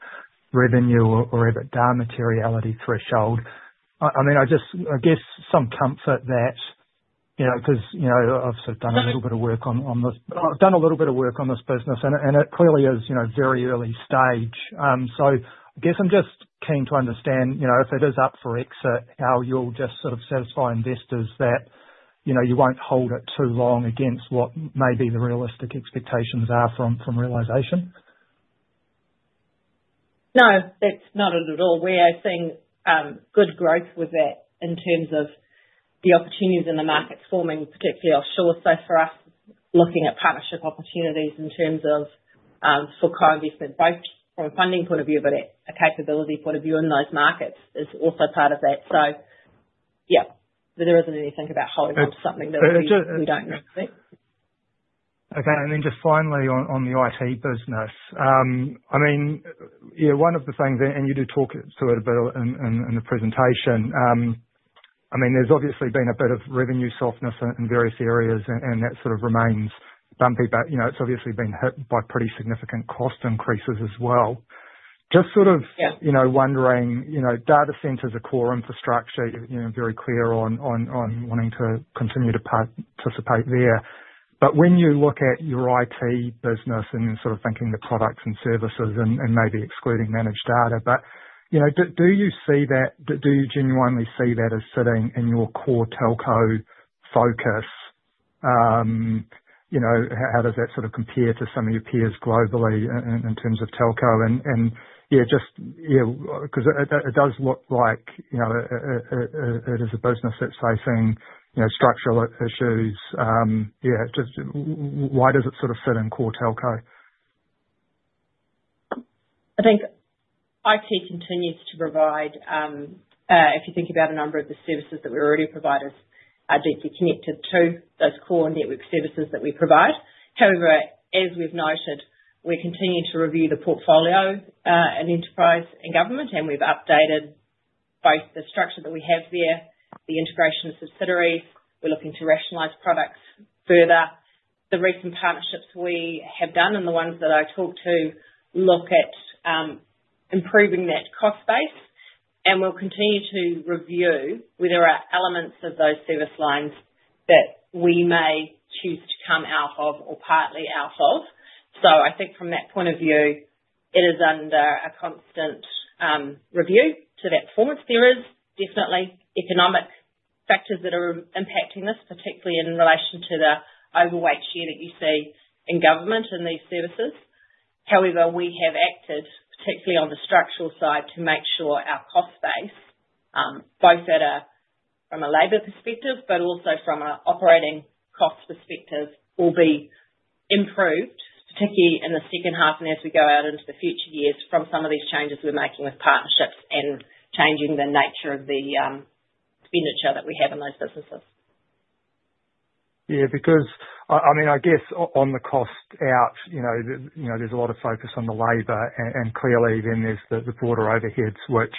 revenue or EBITDA materiality threshold. I mean, I guess some comfort that because I've sort of done a little bit of work on this. I've done a little bit of work on this business, and it clearly is very early stage. So, I guess I'm just keen to understand if it is up for exit, how you'll just sort of satisfy investors that you won't hold it too long against what may be the realistic expectations are from realization? No, that's not it at all. We are seeing good growth with that in terms of the opportunities in the markets forming, particularly offshore. So for us, looking at partnership opportunities in terms of for co-investment, both from a funding point of view, but a capability point of view in those markets is also part of that. So yeah, there isn't anything about holding on to something that we don't necessarily. Okay. Then just finally on the IT business, I mean, yeah, one of the things, and you did talk to it a bit in the presentation, I mean, there's obviously been a bit of revenue softness in various areas, and that sort of remains bumpy. But it's obviously been hit by pretty significant cost increases as well. Just sort of wondering, data centers are core infrastructure. You're very clear on wanting to continue to participate there. But when you look at your IT business and sort of thinking the products and services and maybe excluding managed data, but do you see that? Do you genuinely see that as sitting in your core telco focus? How does that sort of compare to some of your peers globally in terms of telco? And yeah, just because it does look like it is a business that's facing structural issues. Yeah. Why does it sort of sit in core telco? I think IT continues to provide, if you think about a number of the services that we already provide, are deeply connected to those core network services that we provide. However, as we've noted, we're continuing to review the portfolio and enterprise and government, and we've updated both the structure that we have there, the integration of subsidiaries. We're looking to rationalize products further. The recent partnerships we have done and the ones that I talked to look at improving that cost base. And we'll continue to review whether there are elements of those service lines that we may choose to come out of or partly out of. So I think from that point of view, it is under a constant review to that performance. There is definitely economic factors that are impacting this, particularly in relation to the overweight share that you see in government and these services. However, we have acted, particularly on the structural side, to make sure our cost base, both from a labor perspective but also from an operating cost perspective, will be improved, particularly in the second half and as we go out into the future years from some of these changes we're making with partnerships and changing the nature of the expenditure that we have in those businesses. Yeah. Because, I mean, I guess on the cost out, there's a lot of focus on the labor, and clearly then there's the broader overheads which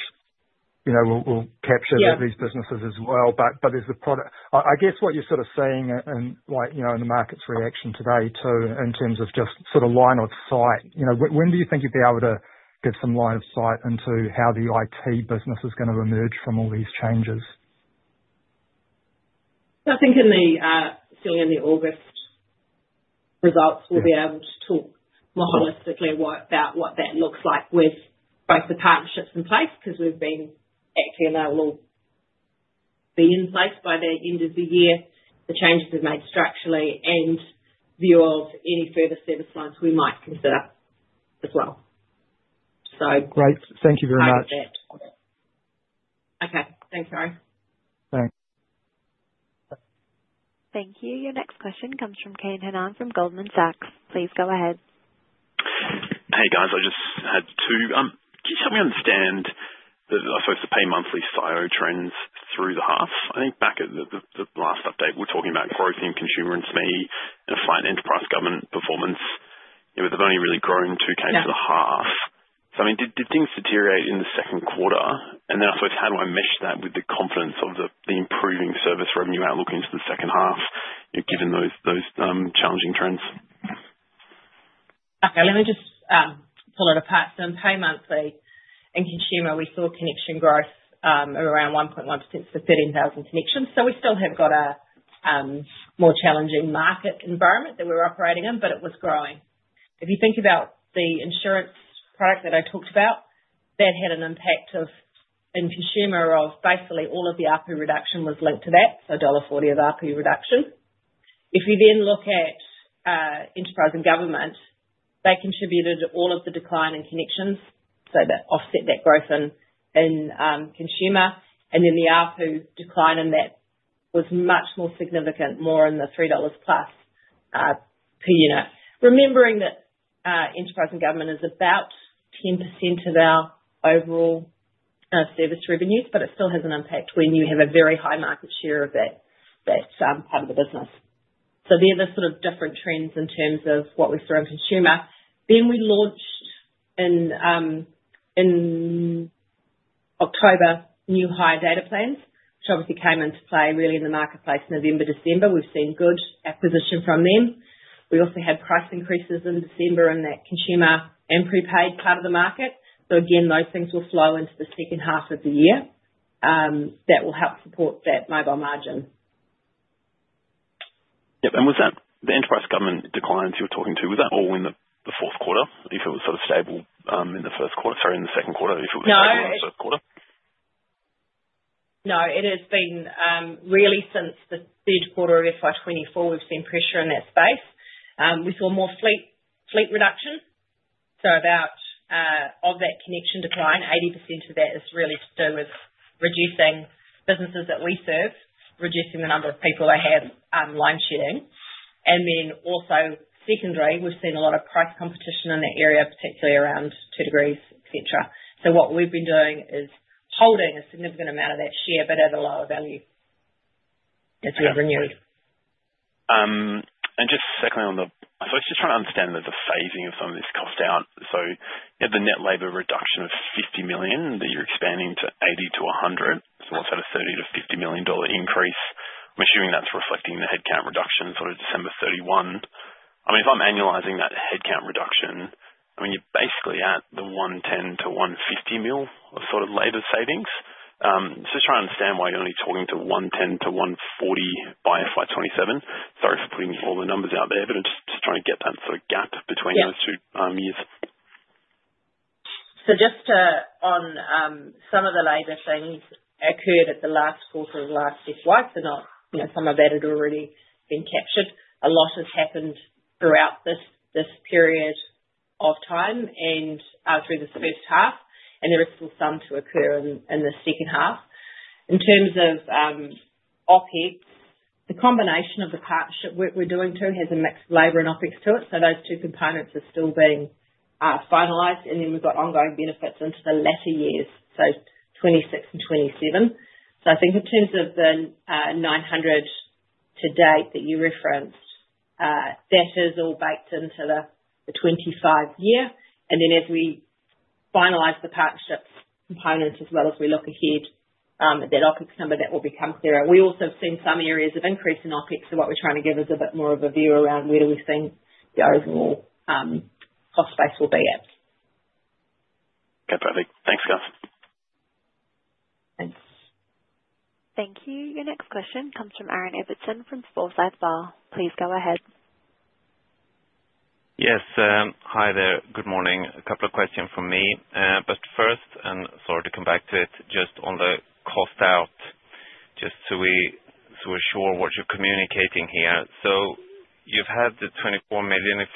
will capture these businesses as well. But there's the product. I guess what you're sort of seeing in the market's reaction today too in terms of just sort of line of sight, when do you think you'll be able to get some line of sight into how the IT business is going to emerge from all these changes? I think certainly in the August results, we'll be able to talk more holistically about what that looks like with both the partnerships in place because we've been actually enabled to be in place by the end of the year, the changes we've made structurally, and view of any further service lines we might consider as well. So I'll have that. Great. Thank you very much. Okay. Thanks, Arie. Thanks. Thank you. Your next question comes from Kane Hannan from Goldman Sachs. Please go ahead. Hey, guys. I just had two. Can you help me understand, I suppose, the Pay Monthly SIO trends through the half? I think back at the last update, we're talking about growth in consumer and SME and fine enterprise and government performance. They've only really grown two quarters through the half. So I mean, did things deteriorate in the second quarter? And then I suppose, how do I mesh that with the confidence of the improving service revenue outlook into the second half given those challenging trends? Okay. Let me just pull it apart. So in Pay Monthly and consumer, we saw connection growth of around 1.1% for 13,000 connections. So we still have got a more challenging market environment that we're operating in, but it was growing. If you think about the insurance product that I talked about, that had an impact in consumer of basically all of the RP reduction was linked to that, so dollar 1.40 of RP reduction. If you then look at enterprise and government, they contributed to all of the decline in connections, so that offset that growth in consumer. And then the RP decline in that was much more significant, more in the 3+ dollars per unit. Remembering that enterprise and government is about 10% of our overall service revenues, but it still has an impact when you have a very high market share of that part of the business. So there are sort of different trends in terms of what we saw in consumer. Then we launched in October new higher data plans, which obviously came into play really in the marketplace November, December. We've seen good acquisition from them. We also had price increases in December in that consumer and prepaid part of the market. So again, those things will flow into the second half of the year. That will help support that mobile margin. Yep. And was that the enterprise and government declines you were talking to, was that all in the fourth quarter if it was sort of stable in the first quarter? Sorry, in the second quarter if it was stable in the third quarter? No. It has been really since the third quarter of FY 2024, we've seen pressure in that space. We saw more headcount reduction. So about (audio distortion) of that connection decline is really to do with reducing businesses that we serve, reducing the number of people they have, line shedding. And then also secondary, we've seen a lot of price competition in that area, particularly around 2degrees, etc. What we've been doing is holding a significant amount of that share, but at a lower value as we've renewed. And just secondly on the, I suppose, just trying to understand the phasing of some of this cost out. The net labor reduction of 50 million that you're expanding to 80 million-100 million. What's that, a 30 million-50 million dollar increase? I'm assuming that's reflecting the headcount reduction sort of December 31. I mean, if I'm annualizing that headcount reduction, I mean, you're basically at the 110 million-150 million of sort of labor savings. Just trying to understand why you're only talking to 110 million-140 million by FY 2027. Sorry for putting all the numbers out there, but just trying to get that sort of gap between those two years. Just on some of the labor things that occurred in the last quarter of last year, why it's not some of that had already been captured. A lot has happened throughout this period of time and through this first half, and there is still some to occur in the second half. In terms of OpEx, the combination of the partnership work we're doing too has a mixed labor and OpEx to it. So those two components are still being finalized. And then we've got ongoing benefits into the latter years, so 2026 and 2027. So I think in terms of the 900 to date that you referenced, that is all baked into the 2025 year. And then as we finalize the partnership components as well as we look ahead at that OpEx number, that will become clearer. We also have seen some areas of increase in OpEx, so what we're trying to give is a bit more of a view around where we think the overall cost base will be at. Yep. I think thanks, guys. Thanks. Thank you. Your next question comes from Aaron Ibbotson from Forsyth Barr. Please go ahead. Yes. Hi there. Good morning. A couple of questions from me. But first, and sorry to come back to it, just on the cost out, just so we're sure what you're communicating here. So you've had the 24 million, if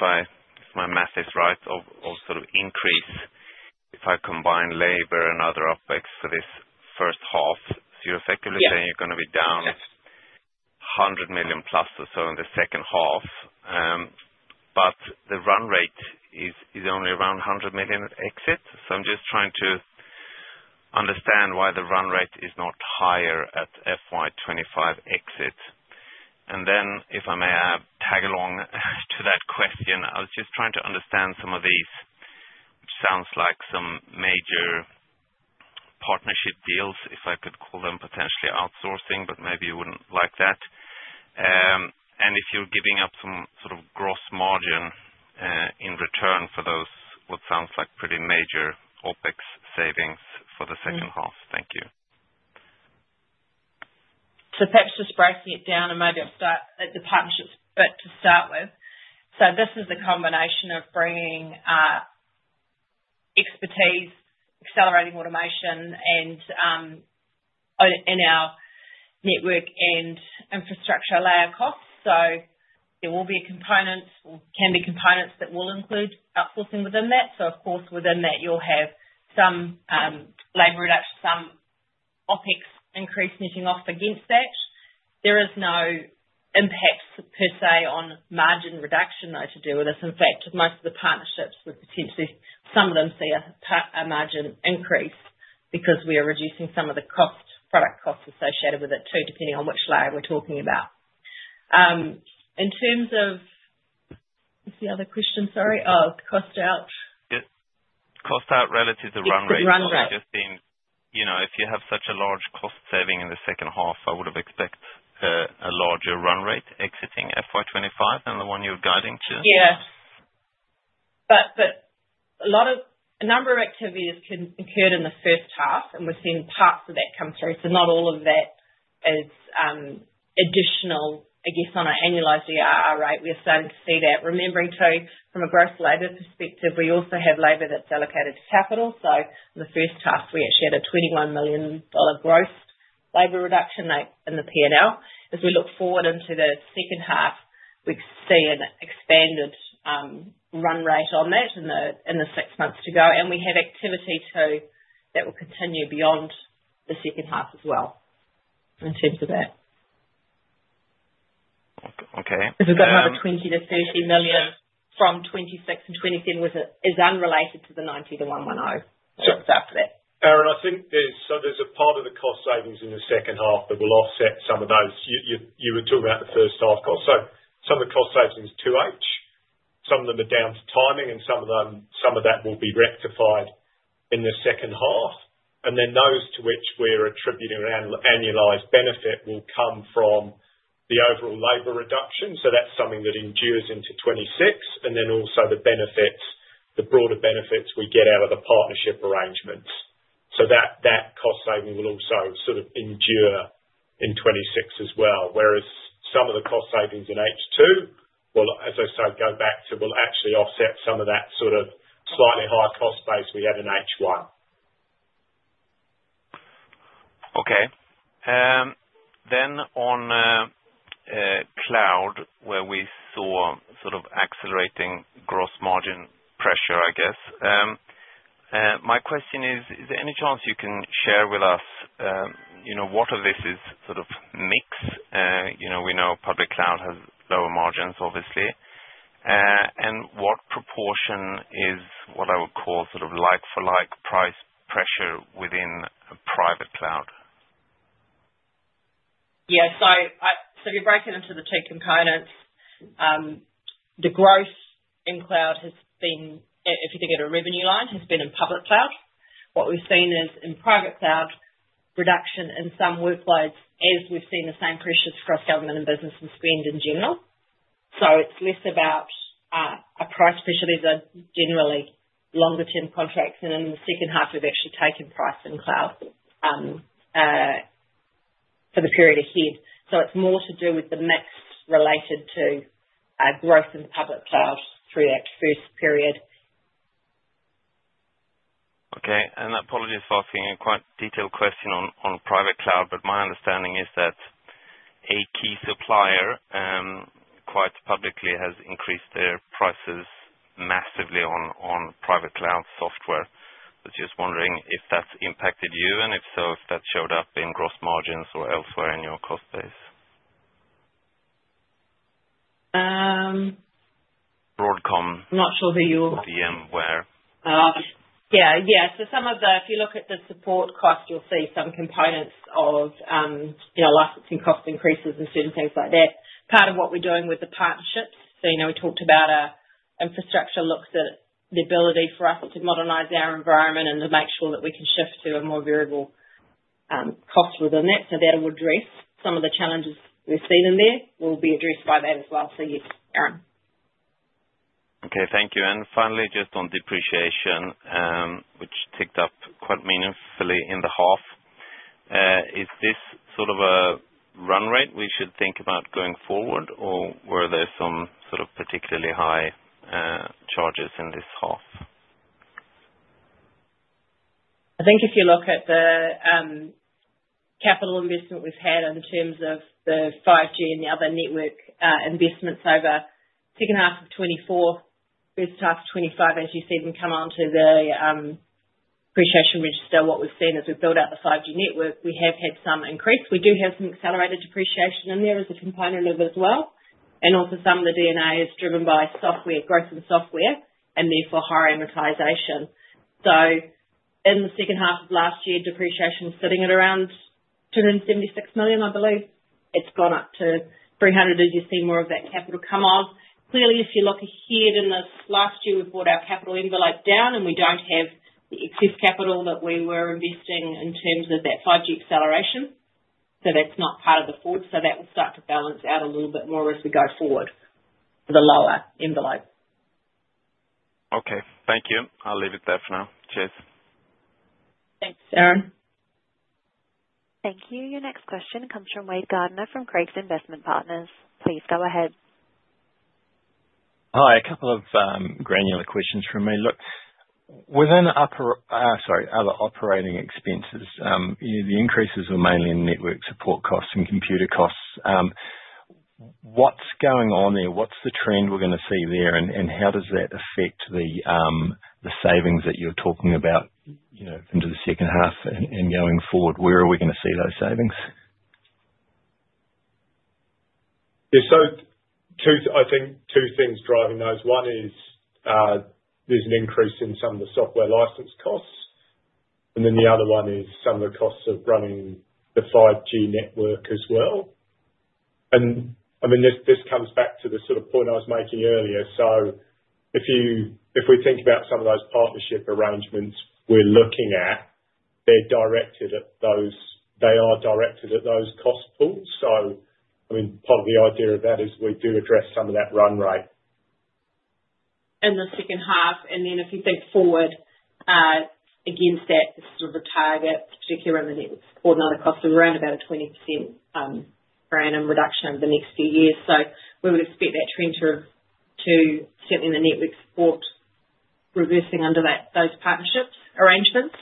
my math is right, of sort of increase if I combine labor and other OpEx for this first half. So you're effectively saying you're going to be down 100 million plus or so in the second half. But the run rate is only around 100 million exit. I'm just trying to understand why the run rate is not higher at FY 2025 exit. And then if I may tag along to that question, I was just trying to understand some of these, which sounds like some major partnership deals, if I could call them potentially outsourcing, but maybe you wouldn't like that. And if you're giving up some sort of gross margin in return for those, what sounds like pretty major OpEx savings for the second half. Thank you. Perhaps just breaking it down and maybe I'll start at the partnerships bit to start with. This is the combination of bringing expertise, accelerating automation, and in our network and infrastructure layer costs. There will be components or can be components that will include outsourcing within that. Of course, within that, you'll have some labor reduction, some OpEx increase netting off against that. There is no impact per se on margin reduction, though, to do with this. In fact, most of the partnerships would potentially, some of them see a margin increase because we are reducing some of the product costs associated with it too, depending on which layer we're talking about. In terms of what's the other question, sorry? Oh, cost out. Yeah. Cost out relative to run rate. So you've just been if you have such a large cost saving in the second half, I would have expected a larger run rate exiting FY 2025 than the one you're guiding to. Yeah. But a number of activities can occur in the first half, and we've seen parts of that come through. So not all of that is additional, I guess, on an annualized ARR rate. We are starting to see that. Remembering too, from a gross labor perspective, we also have labor that's allocated to capital. So in the first half, we actually had a 21 million dollar gross labor reduction in the P&L. As we look forward into the second half, we see an expanded run rate on that in the six months to go. And we have activity too that will continue beyond the second half as well in terms of that. Okay. Because we've got another 20 million-30 million from 2026 and 2027 is unrelated to the 90 million-110 million. So it's after that. Aaron, I think there's a part of the cost savings in the second half that will offset some of those. You were talking about the first half cost. So some of the cost savings to 2H, some of them are down to timing, and some of that will be rectified in the second half. Then those to which we're attributing an annualized benefit will come from the overall labor reduction. That's something that endures into 2026. Then also the broader benefits we get out of the partnership arrangements. That cost saving will also sort of endure in 2026 as well. Whereas some of the cost savings in H2 will, as I say, go back to will actually offset some of that sort of slightly higher cost base we had in H1. Okay. On cloud, where we saw sort of accelerating gross margin pressure, I guess my question is, is there any chance you can share with us what of this is sort of mix? We know public cloud has lower margins, obviously. What proportion is what I would call sort of like-for-like price pressure within private cloud? Yeah. So if you're breaking into the two components, the growth in cloud has been, if you think of it a revenue line, has been in public cloud. What we've seen is in private cloud, reduction in some workloads as we've seen the same pressures across government and business and spend in general. So it's less about a price pressure. These are generally longer-term contracts. And in the second half, we've actually taken price in cloud for the period ahead. So it's more to do with the mix related to growth in public cloud through that first period. Okay. And apologies for asking a quite detailed question on private cloud, but my understanding is that a key supplier quite publicly has increased their prices massively on private cloud software. I was just wondering if that's impacted you and if so, if that showed up in gross margins or elsewhere in your cost base? Broadcom. I'm not sure who you are. VMware. Yeah. Yeah. So some of the if you look at the support cost, you'll see some components of licensing cost increases and certain things like that. Part of what we're doing with the partnerships, so we talked about infrastructure looks at the ability for us to modernize our environment and to make sure that we can shift to a more variable cost within that. So that will address some of the challenges we've seen in there. We'll be addressed by that as well. So yes, Aaron. Okay. Thank you. Finally, just on depreciation, which ticked up quite meaningfully in the half, is this sort of a run rate we should think about going forward, or were there some sort of particularly high charges in this half? I think if you look at the capital investment we've had in terms of the 5G and the other network investments over second half of 2024, first half of 2025, as you see them come onto the depreciation register, what we've seen as we've built out the 5G network, we have had some increase. We do have some accelerated depreciation in there as a component of it as well. And also some of the D&A is driven by growth in software and therefore higher amortization. In the second half of last year, depreciation sitting at around 276 million, I believe. It's gone up to 300 million as you've seen more of that capital come off. Clearly, if you look ahead in this last year, we've brought our capital envelope down, and we don't have the excess capital that we were investing in terms of that 5G acceleration. So that's not part of the forecast. So that will start to balance out a little bit more as we go forward with the lower envelope. Okay. Thank you. I'll leave it there for now. Cheers. Thanks, Aaron. Thank you. Your next question comes from Wade Gardiner from Craigs Investment Partners. Please go ahead. Hi. A couple of granular questions from me. Look, within OpEx, sorry, other operating expenses, the increases were mainly in network support costs and computer costs. What's going on there? What's the trend we're going to see there, and how does that affect the savings that you're talking about into the second half and going forward? Where are we going to see those savings? Yeah. So I think two things driving those. One is there's an increase in some of the software license costs. And then the other one is some of the costs of running the 5G network as well. And I mean, this comes back to the sort of point I was making earlier. So if we think about some of those partnership arrangements we're looking at, they're directed at those cost pools. So I mean, part of the idea of that is we do address some of that run rate in the second half. And then if you think forward against that, this is sort of a target, particularly around the network support and other costs, of around about a 20% per annum reduction over the next few years. So we would expect that trend to certainly in the network support reversing under those partnership arrangements.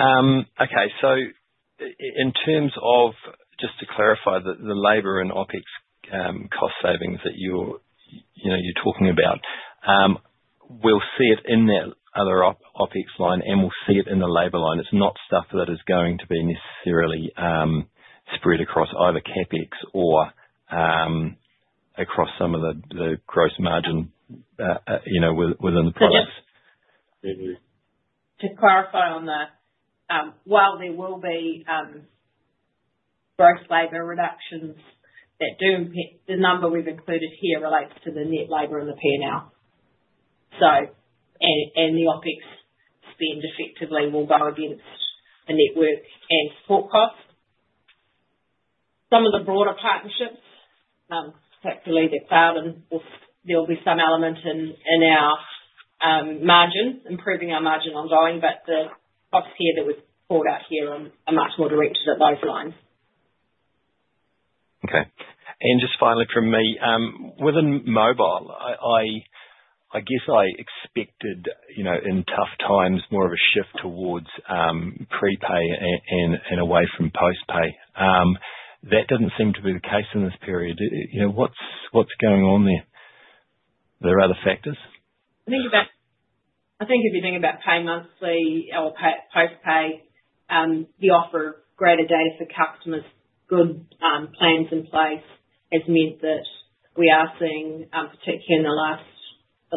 Okay. So in terms of just to clarify the labor and OpEx cost savings that you're talking about, we'll see it in that other OpEx line, and we'll see it in the labor line. It's not stuff that is going to be necessarily spread across either CapEx or across some of the gross margin within the products. To clarify on that, while there will be gross labor reductions, the number we've included here relates to the net labor and the P&L. And the OpEx spend effectively will go against the network and support costs. Some of the broader partnerships, particularly the cloud, there'll be some element in our margin, improving our margin ongoing. But the costs here that we've pulled out here are much more directed at those lines. Okay, and just finally from me, within mobile, I guess I expected in tough times more of a shift towards prepay and away from postpay. That doesn't seem to be the case in this period. What's going on there? Are there other factors? I think if you think about Pay Monthly or postpay, the offer of greater data for customers, good plans in place has meant that we are seeing, particularly in the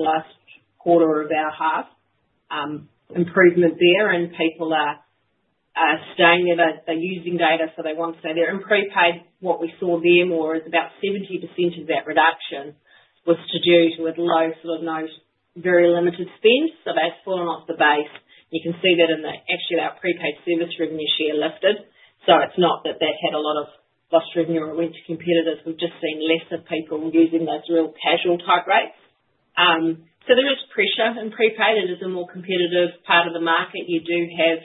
last quarter of our half, improvement there. And people are staying there. They're using data, so they want to stay there. In prepay, what we saw there more is about 70% of that reduction was to do with low sort of very limited spend. So they've fallen off the base. You can see that in the, actually, our prepay service revenue share lifted. So it's not that they had a lot of lost revenue or it went to competitors. We've just seen less of people using those real casual type rates. So there is pressure in prepay. It is a more competitive part of the market. You do have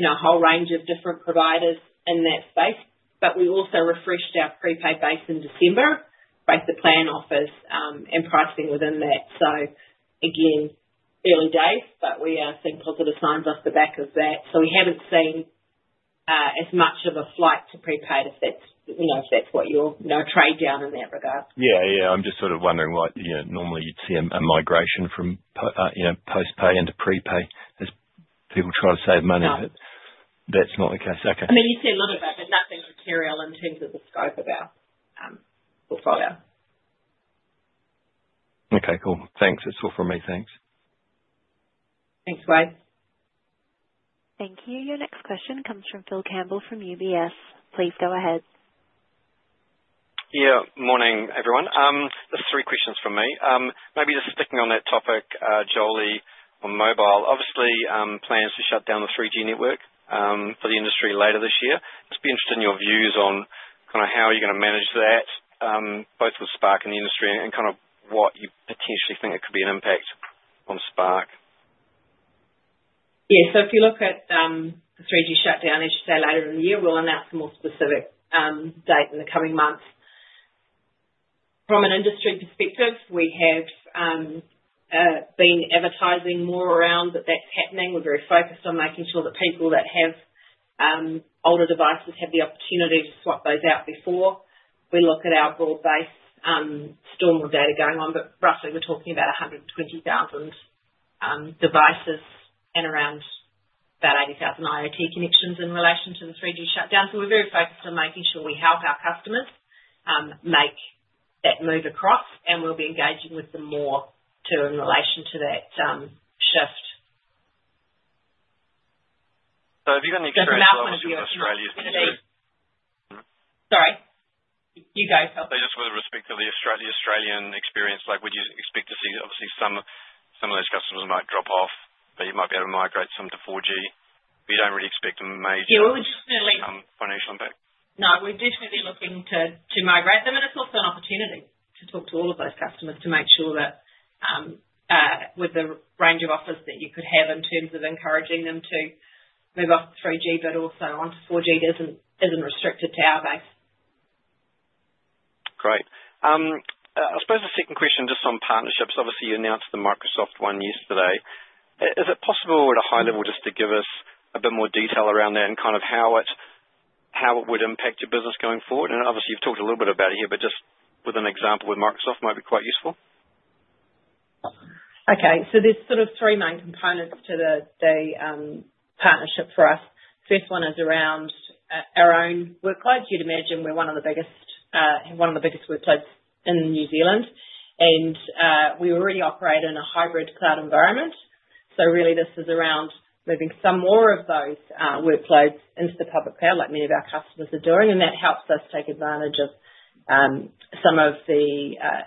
a whole range of different providers in that space. But we also refreshed our prepay base in December, both the plan offers and pricing within that. So again, early days, but we are seeing positive signs off the back of that. So we haven't seen as much of a flight to prepay if that's what you're trading down in that regard. Yeah. Yeah. I'm just sort of wondering what normally you'd see a migration from postpay into prepay as people try to save money, but that's not the case. Okay. I mean, you see a lot of that, but nothing material in terms of the scope of our portfolio. Okay. Cool. Thanks. That's all from me. Thanks. Thanks, Wade. Thank you. Your next question comes from Phil Campbell from UBS. Please go ahead. Yeah. Morning, everyone. There are three questions from me. Maybe just sticking on that topic, Jolie, on mobile. Obviously, plans to shut down the 3G network for the industry later this year. I'd just be interested in your views on kind of how you're going to manage that, both with Spark and the industry, and kind of what you potentially think it could be an impact on Spark. Yeah. So if you look at the 3G shutdown, as you say, later in the year, we'll announce a more specific date in the coming months. From an industry perspective, we have been advertising more around that that's happening. We're very focused on making sure that people that have older devices have the opportunity to swap those out before we look at our broad-based store data going on, but roughly we're talking about 120,000 devices and around about 80,000 IoT connections in relation to the 3G shutdown. So we're very focused on making sure we help our customers make that move across, and we'll be engaging with them more too in relation to that shift. So have you got any experience with the Australians? Sorry. You go, Phil. So just with respect to the Australian experience, would you expect to see obviously some of those customers might drop off, but you might be able to migrate some to 4G? But you don't really expect a major financial impact? No. We're definitely looking to migrate them. And it's also an opportunity to talk to all of those customers to make sure that with the range of offers that you could have in terms of encouraging them to move off 3G, but also onto 4G, it isn't restricted to our base. Great. I suppose the second question just on partnerships. Obviously, you announced the Microsoft one yesterday. Is it possible at a high level just to give us a bit more detail around that and kind of how it would impact your business going forward? And obviously, you've talked a little bit about it here, but just with an example with Microsoft might be quite useful. Okay. So there's sort of three main components to the partnership for us. First one is around our own workloads. You'd imagine we're one of the biggest workloads in New Zealand. And we already operate in a hybrid cloud environment. So really, this is around moving some more of those workloads into the public cloud like many of our customers are doing. And that helps us take advantage of some of the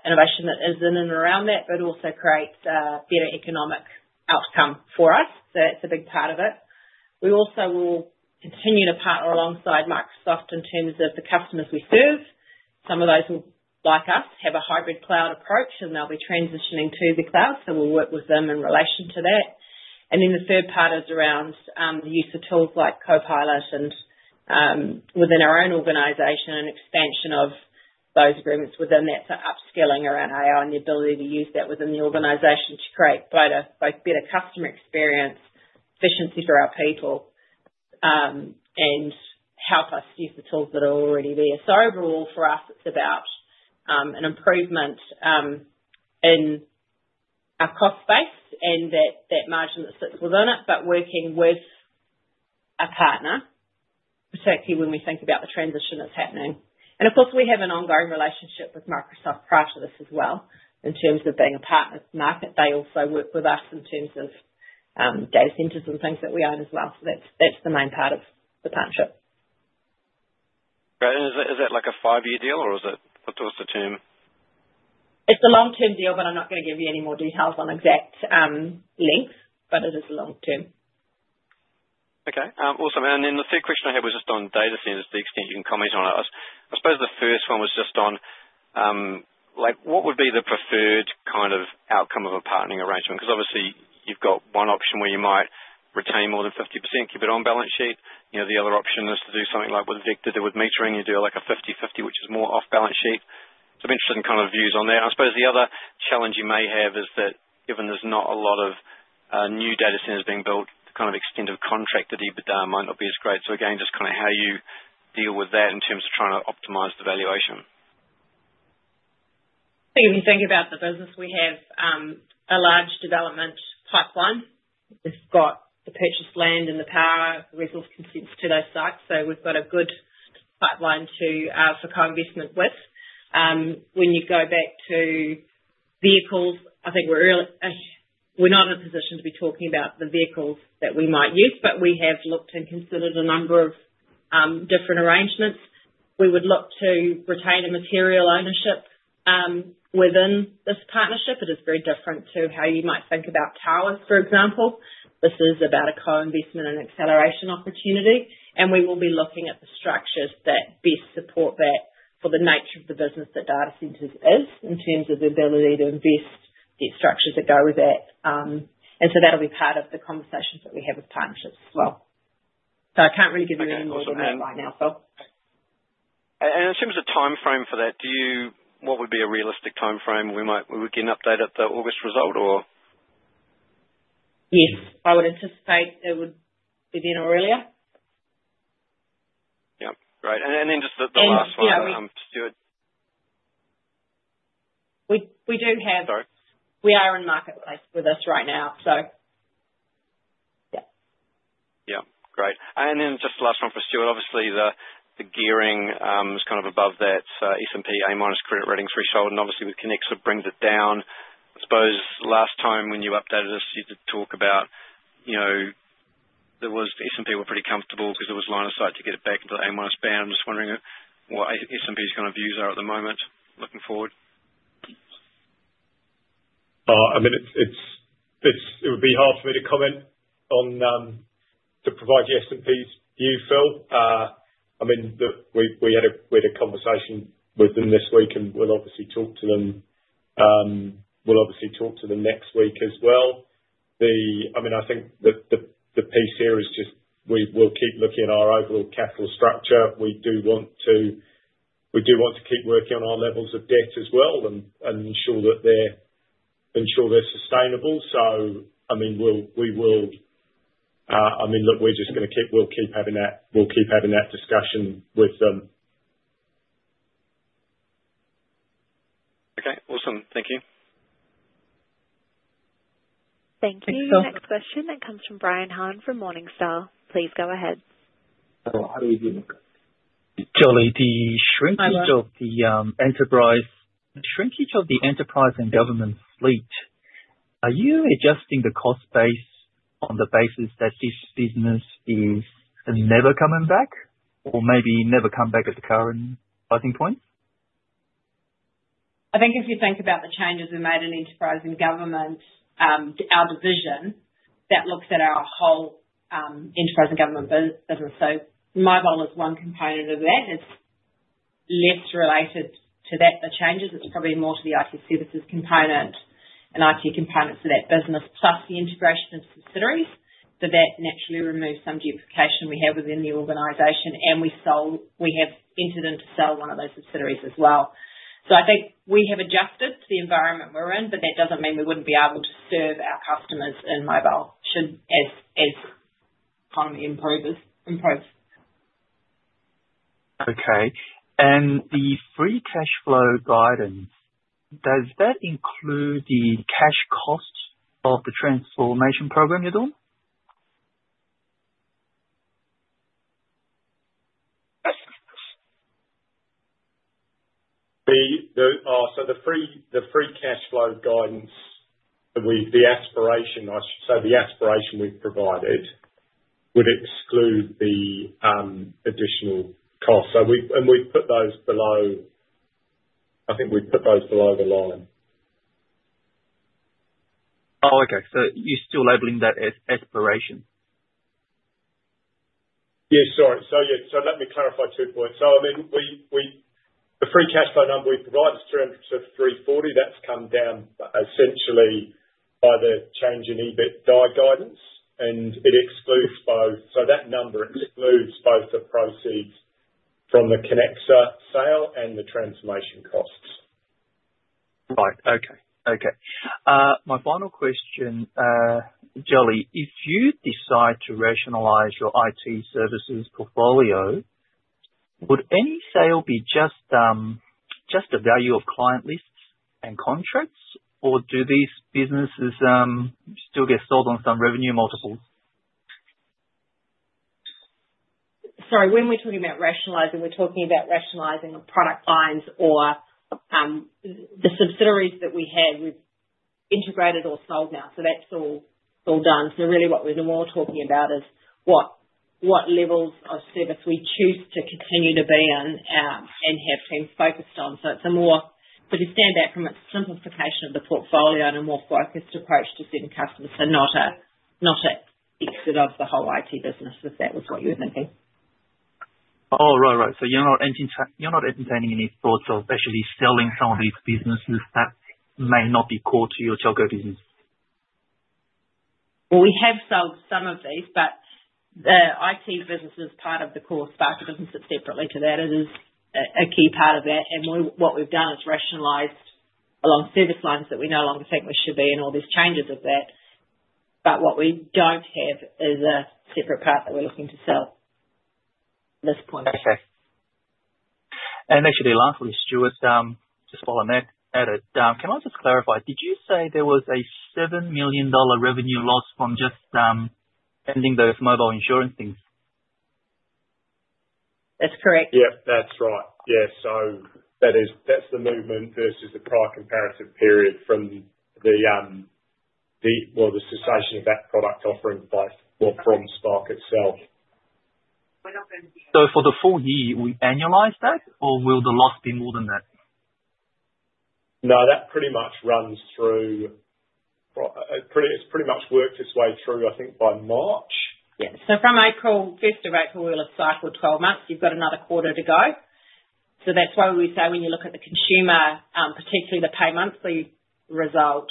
innovation that is in and around that, but also creates a better economic outcome for us. So that's a big part of it. We also will continue to partner alongside Microsoft in terms of the customers we serve. Some of those will, like us, have a hybrid cloud approach, and they'll be transitioning to the cloud. So we'll work with them in relation to that. And then the third part is around the use of tools like Copilot and within our own organization and expansion of those agreements within that. So upskilling around AI and the ability to use that within the organization to create both better customer experience, efficiency for our people, and help us use the tools that are already there. So overall, for us, it's about an improvement in our cost base and that margin that sits within it, but working with a partner, particularly when we think about the transition that's happening. And of course, we have an ongoing relationship with Microsoft prior to this as well in terms of being a partner market. They also work with us in terms of data centers and things that we own as well. So that's the main part of the partnership. Okay. And is that like a five-year deal, or is it a longer term? It's a long-term deal, but I'm not going to give you any more details on exact length, but it is a long-term. Okay. Awesome. And then the third question I had was just on data centers, the extent you can comment on it. I suppose the first one was just on what would be the preferred kind of outcome of a partnering arrangement? Because obviously, you've got one option where you might retain more than 50%, keep it on balance sheet. The other option is to do something like with Vector, with Metering, you do like a 50/50, which is more off-balance sheet. So I'm interested in kind of views on that. I suppose the other challenge you may have is that given there's not a lot of new data centers being built, the kind of extent of contract that you've done might not be as great. So again, just kind of how you deal with that in terms of trying to optimize the valuation. So if you think about the business, we have a large development pipeline. We've got the purchased land and the power resource consents to those sites. So we've got a good pipeline to co-investment with. When you go back to vehicles, I think we're not in a position to be talking about the vehicles that we might use, but we have looked and considered a number of different arrangements. We would look to retain a material ownership within this partnership. It is very different to how you might think about towers, for example. This is about a co-investment and acceleration opportunity. And we will be looking at the structures that best support that for the nature of the business that data centers is in terms of the ability to invest the structures that go with that. And so that'll be part of the conversations that we have with partnerships as well. So I can't really give you any more than that right now, Phil. And in terms of timeframe for that, what would be a realistic timeframe? We can update at the August result, or? Yes. I would anticipate it would be then or earlier. Yep. Great. And then just the last one for Stewart. We do have. Sorry. We are in marketplace with us right now, so yeah. Yep. Great. And then just the last one for Stewart. Obviously, the gearing is kind of above that S&P A-minus credit rating threshold, and obviously, with Connexa, it brings it down. I suppose last time when you updated us, you did talk about there was the S&P were pretty comfortable because there was line of sight to get it back into the A-minus band. I'm just wondering what S&P's kind of views are at the moment looking forward. I mean, it would be hard for me to comment on to provide the S&P's view, Phil. I mean, we had a conversation with them this week, and we'll obviously talk to them. We'll obviously talk to them next week as well. I mean, I think that the piece here is just we will keep looking at our overall capital structure. We do want to keep working on our levels of debt as well and ensure that they're sustainable. So I mean, we will. I mean, look, we're just going to keep having that discussion with them. Okay. Awesome. Thank you. Thank you. Next question that comes from Brian Han from Morningstar. Please go ahead. Jolie, the shrinkage of the enterprise. Shrinkage of the enterprise and government fleet, are you adjusting the cost base on the basis that this business is never coming back or maybe never come back at the current pricing point? I think if you think about the changes we made in enterprise and government, our division, that looks at our whole enterprise and government business. So my role is one component of that. It's less related to that, the changes. It's probably more to the IT services component and IT components of that business, plus the integration of subsidiaries. So that naturally removes some duplication we have within the organization. And we have entered into selling one of those subsidiaries as well. So I think we have adjusted to the environment we're in, but that doesn't mean we wouldn't be able to serve our customers in mobile as the economy improves. Okay. And the free cash flow guidance, does that include the cash cost of the transformation program you're doing? So the free cash flow guidance, the aspiration, I should say, the aspiration we've provided would exclude the additional cost. And we've put those below. I think we've put those below the line. Oh, okay. So you're still labeling that as aspiration? Yeah. Sorry. So yeah. So let me clarify two points. So I mean, the free cash flow number we provide is 300 million-340 millio. That's come down essentially by the change in EBITDA guidance, and it excludes both. So that number excludes both the proceeds from the Connexa sale and the transformation costs. Right. Okay. Okay. My final question, Jolie, if you decide to rationalize your IT services portfolio, would any sale be just the value of client lists and contracts, or do these businesses still get sold on some revenue multiples? Sorry. When we're talking about rationalizing, we're talking about rationalizing product lines or the subsidiaries that we have integrated or sold now. So that's all done. So really what we're more talking about is what levels of service we choose to continue to be on and have teams focused on. It's a more sort of stand back from a simplification of the portfolio and a more focused approach to certain customers and not an exit of the whole IT business, if that was what you were thinking. Oh, right, right. So you're not entertaining any thoughts of actually selling some of these businesses that may not be core to your telco business? Well, we have sold some of these, but the IT business is part of the core Spark business. It's separately to that. It is a key part of that. And what we've done is rationalized along service lines that we no longer think we should be in all these changes of that. But what we don't have is a separate part that we're looking to sell at this point. Okay. And actually, lastly, Stewart, just following that, can I just clarify? Did you say there was a 7 million dollar revenue loss from just ending those mobile insurance things? That's correct. Yep. That's right. Yes. So that's the movement versus the prior comparative period from the, well, the cessation of that product offering by, well, from Spark itself. So for the full year, we annualize that, or will the loss be more than that? No, that pretty much runs through. It's pretty much worked its way through, I think, by March. Yeah. So from first of April, we'll have cycled 12 months. You've got another quarter to go. So that's why we say when you look at the consumer, particularly the payment fee result,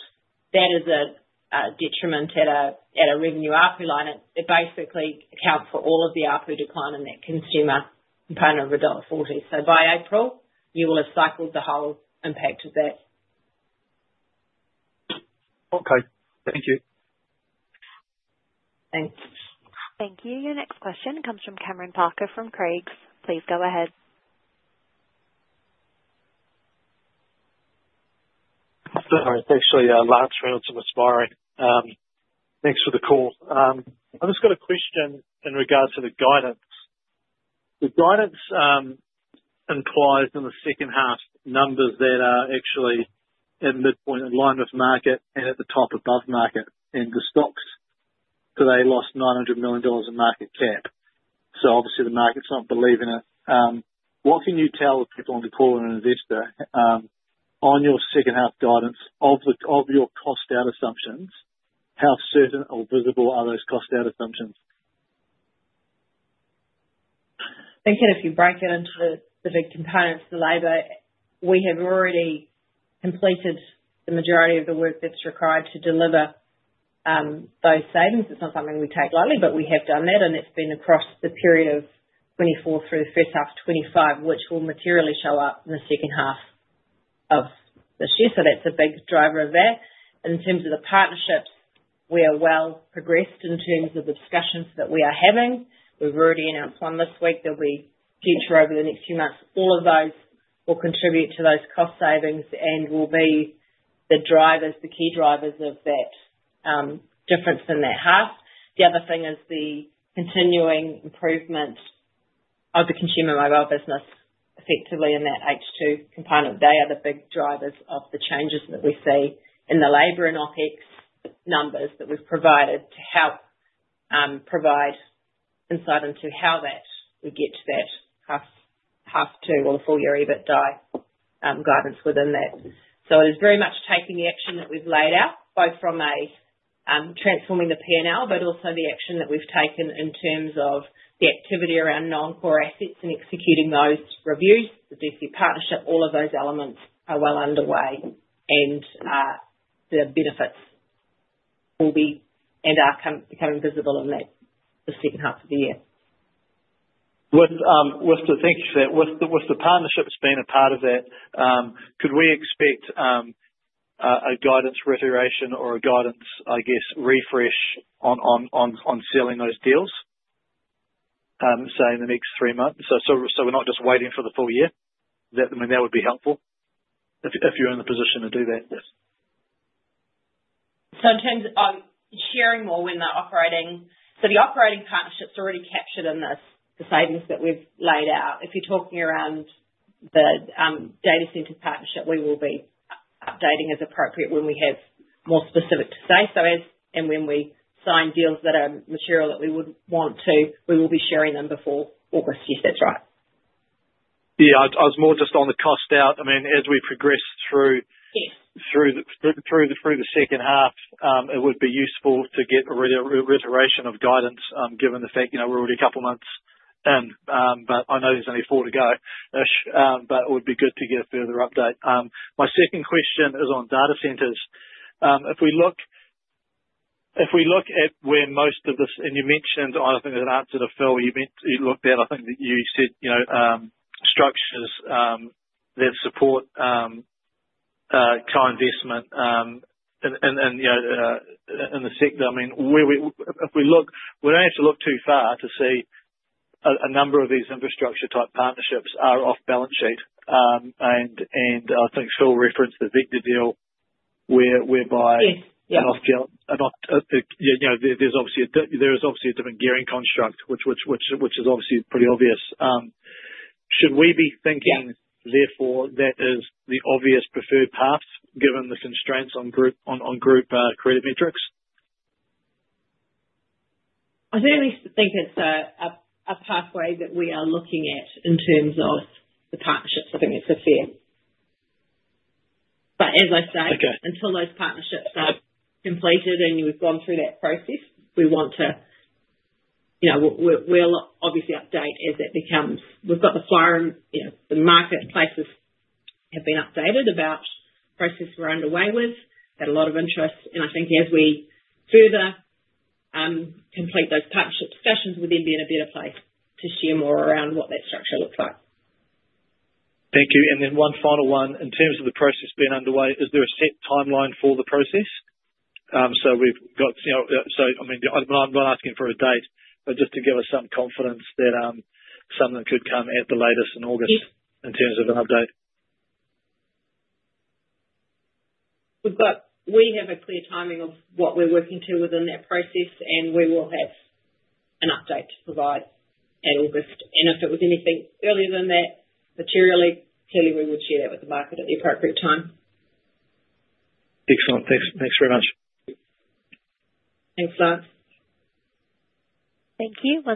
that is a detriment at a revenue RP line. It basically accounts for all of the RP decline in that consumer component of dollar 1.40. So by April, you will have cycled the whole impact of that. Okay. Thank you. Your next question comes from Cameron Parker from Craigs. Please go ahead. Actually, Jolie. Thanks for the call. I just got a question in regards to the guidance. The guidance implies in the second half numbers that are actually at midpoint in line with market and at the top above market and the stocks. So they lost 900 million dollars in market cap. So obviously, the market's not believing it. What can you tell people on the call and investors on your second half guidance of your cost out assumptions? How certain or visible are those cost out assumptions? Thinking if you break it into the big components, the labor, we have already completed the majority of the work that's required to deliver those savings. It's not something we take lightly, but we have done that. It's been across the period of 2024 through the first half of 2025, which will materially show up in the second half of this year. So that's a big driver of that. In terms of the partnerships, we are well progressed in terms of the discussions that we are having. We've already announced one this week. There'll be future over the next few months. All of those will contribute to those cost savings and will be the key drivers of that difference in that half. The other thing is the continuing improvement of the consumer mobile business, effectively in that H2 component. They are the big drivers of the changes that we see in the labor and OpEx numbers that we've provided to help provide insight into how that would get to that half to or the full year EBITDA guidance within that. So it is very much taking the action that we've laid out, both from transforming the P&L, but also the action that we've taken in terms of the activity around non-core assets and executing those reviews, the DC partnership, all of those elements are well underway. And the benefits will be and are becoming visible in the second half of the year. With the partnerships being a part of that, could we expect a guidance reiteration or a guidance, I guess, refresh on selling those deals, say, in the next three months? So we're not just waiting for the full year. I mean, that would be helpful if you're in the position to do that. So in terms of sharing more when they're operating, so the operating partnership's already captured in the savings that we've laid out. If you're talking around the data center partnership, we will be updating as appropriate when we have more specific to say. So and when we sign deals that are material that we would want to, we will be sharing them before August. Yes, that's right. Yeah. I was more just on the cost out. I mean, as we progress through the second half, it would be useful to get a reiteration of guidance given the fact we're already a couple of months in, but I know there's only four to go. But it would be good to get a further update. My second question is on data centers. If we look at where most of this and you mentioned, I think I answered it, Phil, you looked at, I think you said structures that support co-investment in the sector. I mean, if we look, we don't have to look too far to see a number of these infrastructure-type partnerships are off balance sheet. And I think Phil referenced the Vector deal whereby an off- yeah, there's obviously a different gearing construct, which is obviously pretty obvious. Should we be thinking, therefore, that is the obvious preferred path given the constraints on group credit metrics? I think at least I think it's a pathway that we are looking at in terms of the partnerships. I think it's a fair. But as I say, until those partnerships are completed and we've gone through that process, we want to, we'll obviously update as it becomes we've got the market places have been updated about process we're underway with. We've had a lot of interest. I think as we further complete those partnership discussions, we'll then be in a better place to share more around what that structure looks like. Thank you. Then one final one. In terms of the process being underway, is there a set timeline for the process? So we've got so I mean, I'm not asking for a date, but just to give us some confidence that something could come at the latest in August in terms of an update. We have a clear timing of what we're working to within that process, and we will have an update to provide at August. If it was anything earlier than that, materially, clearly, we would share that with the market at the appropriate time. Excellent. Thanks. Thanks very much. Thanks. Thank you.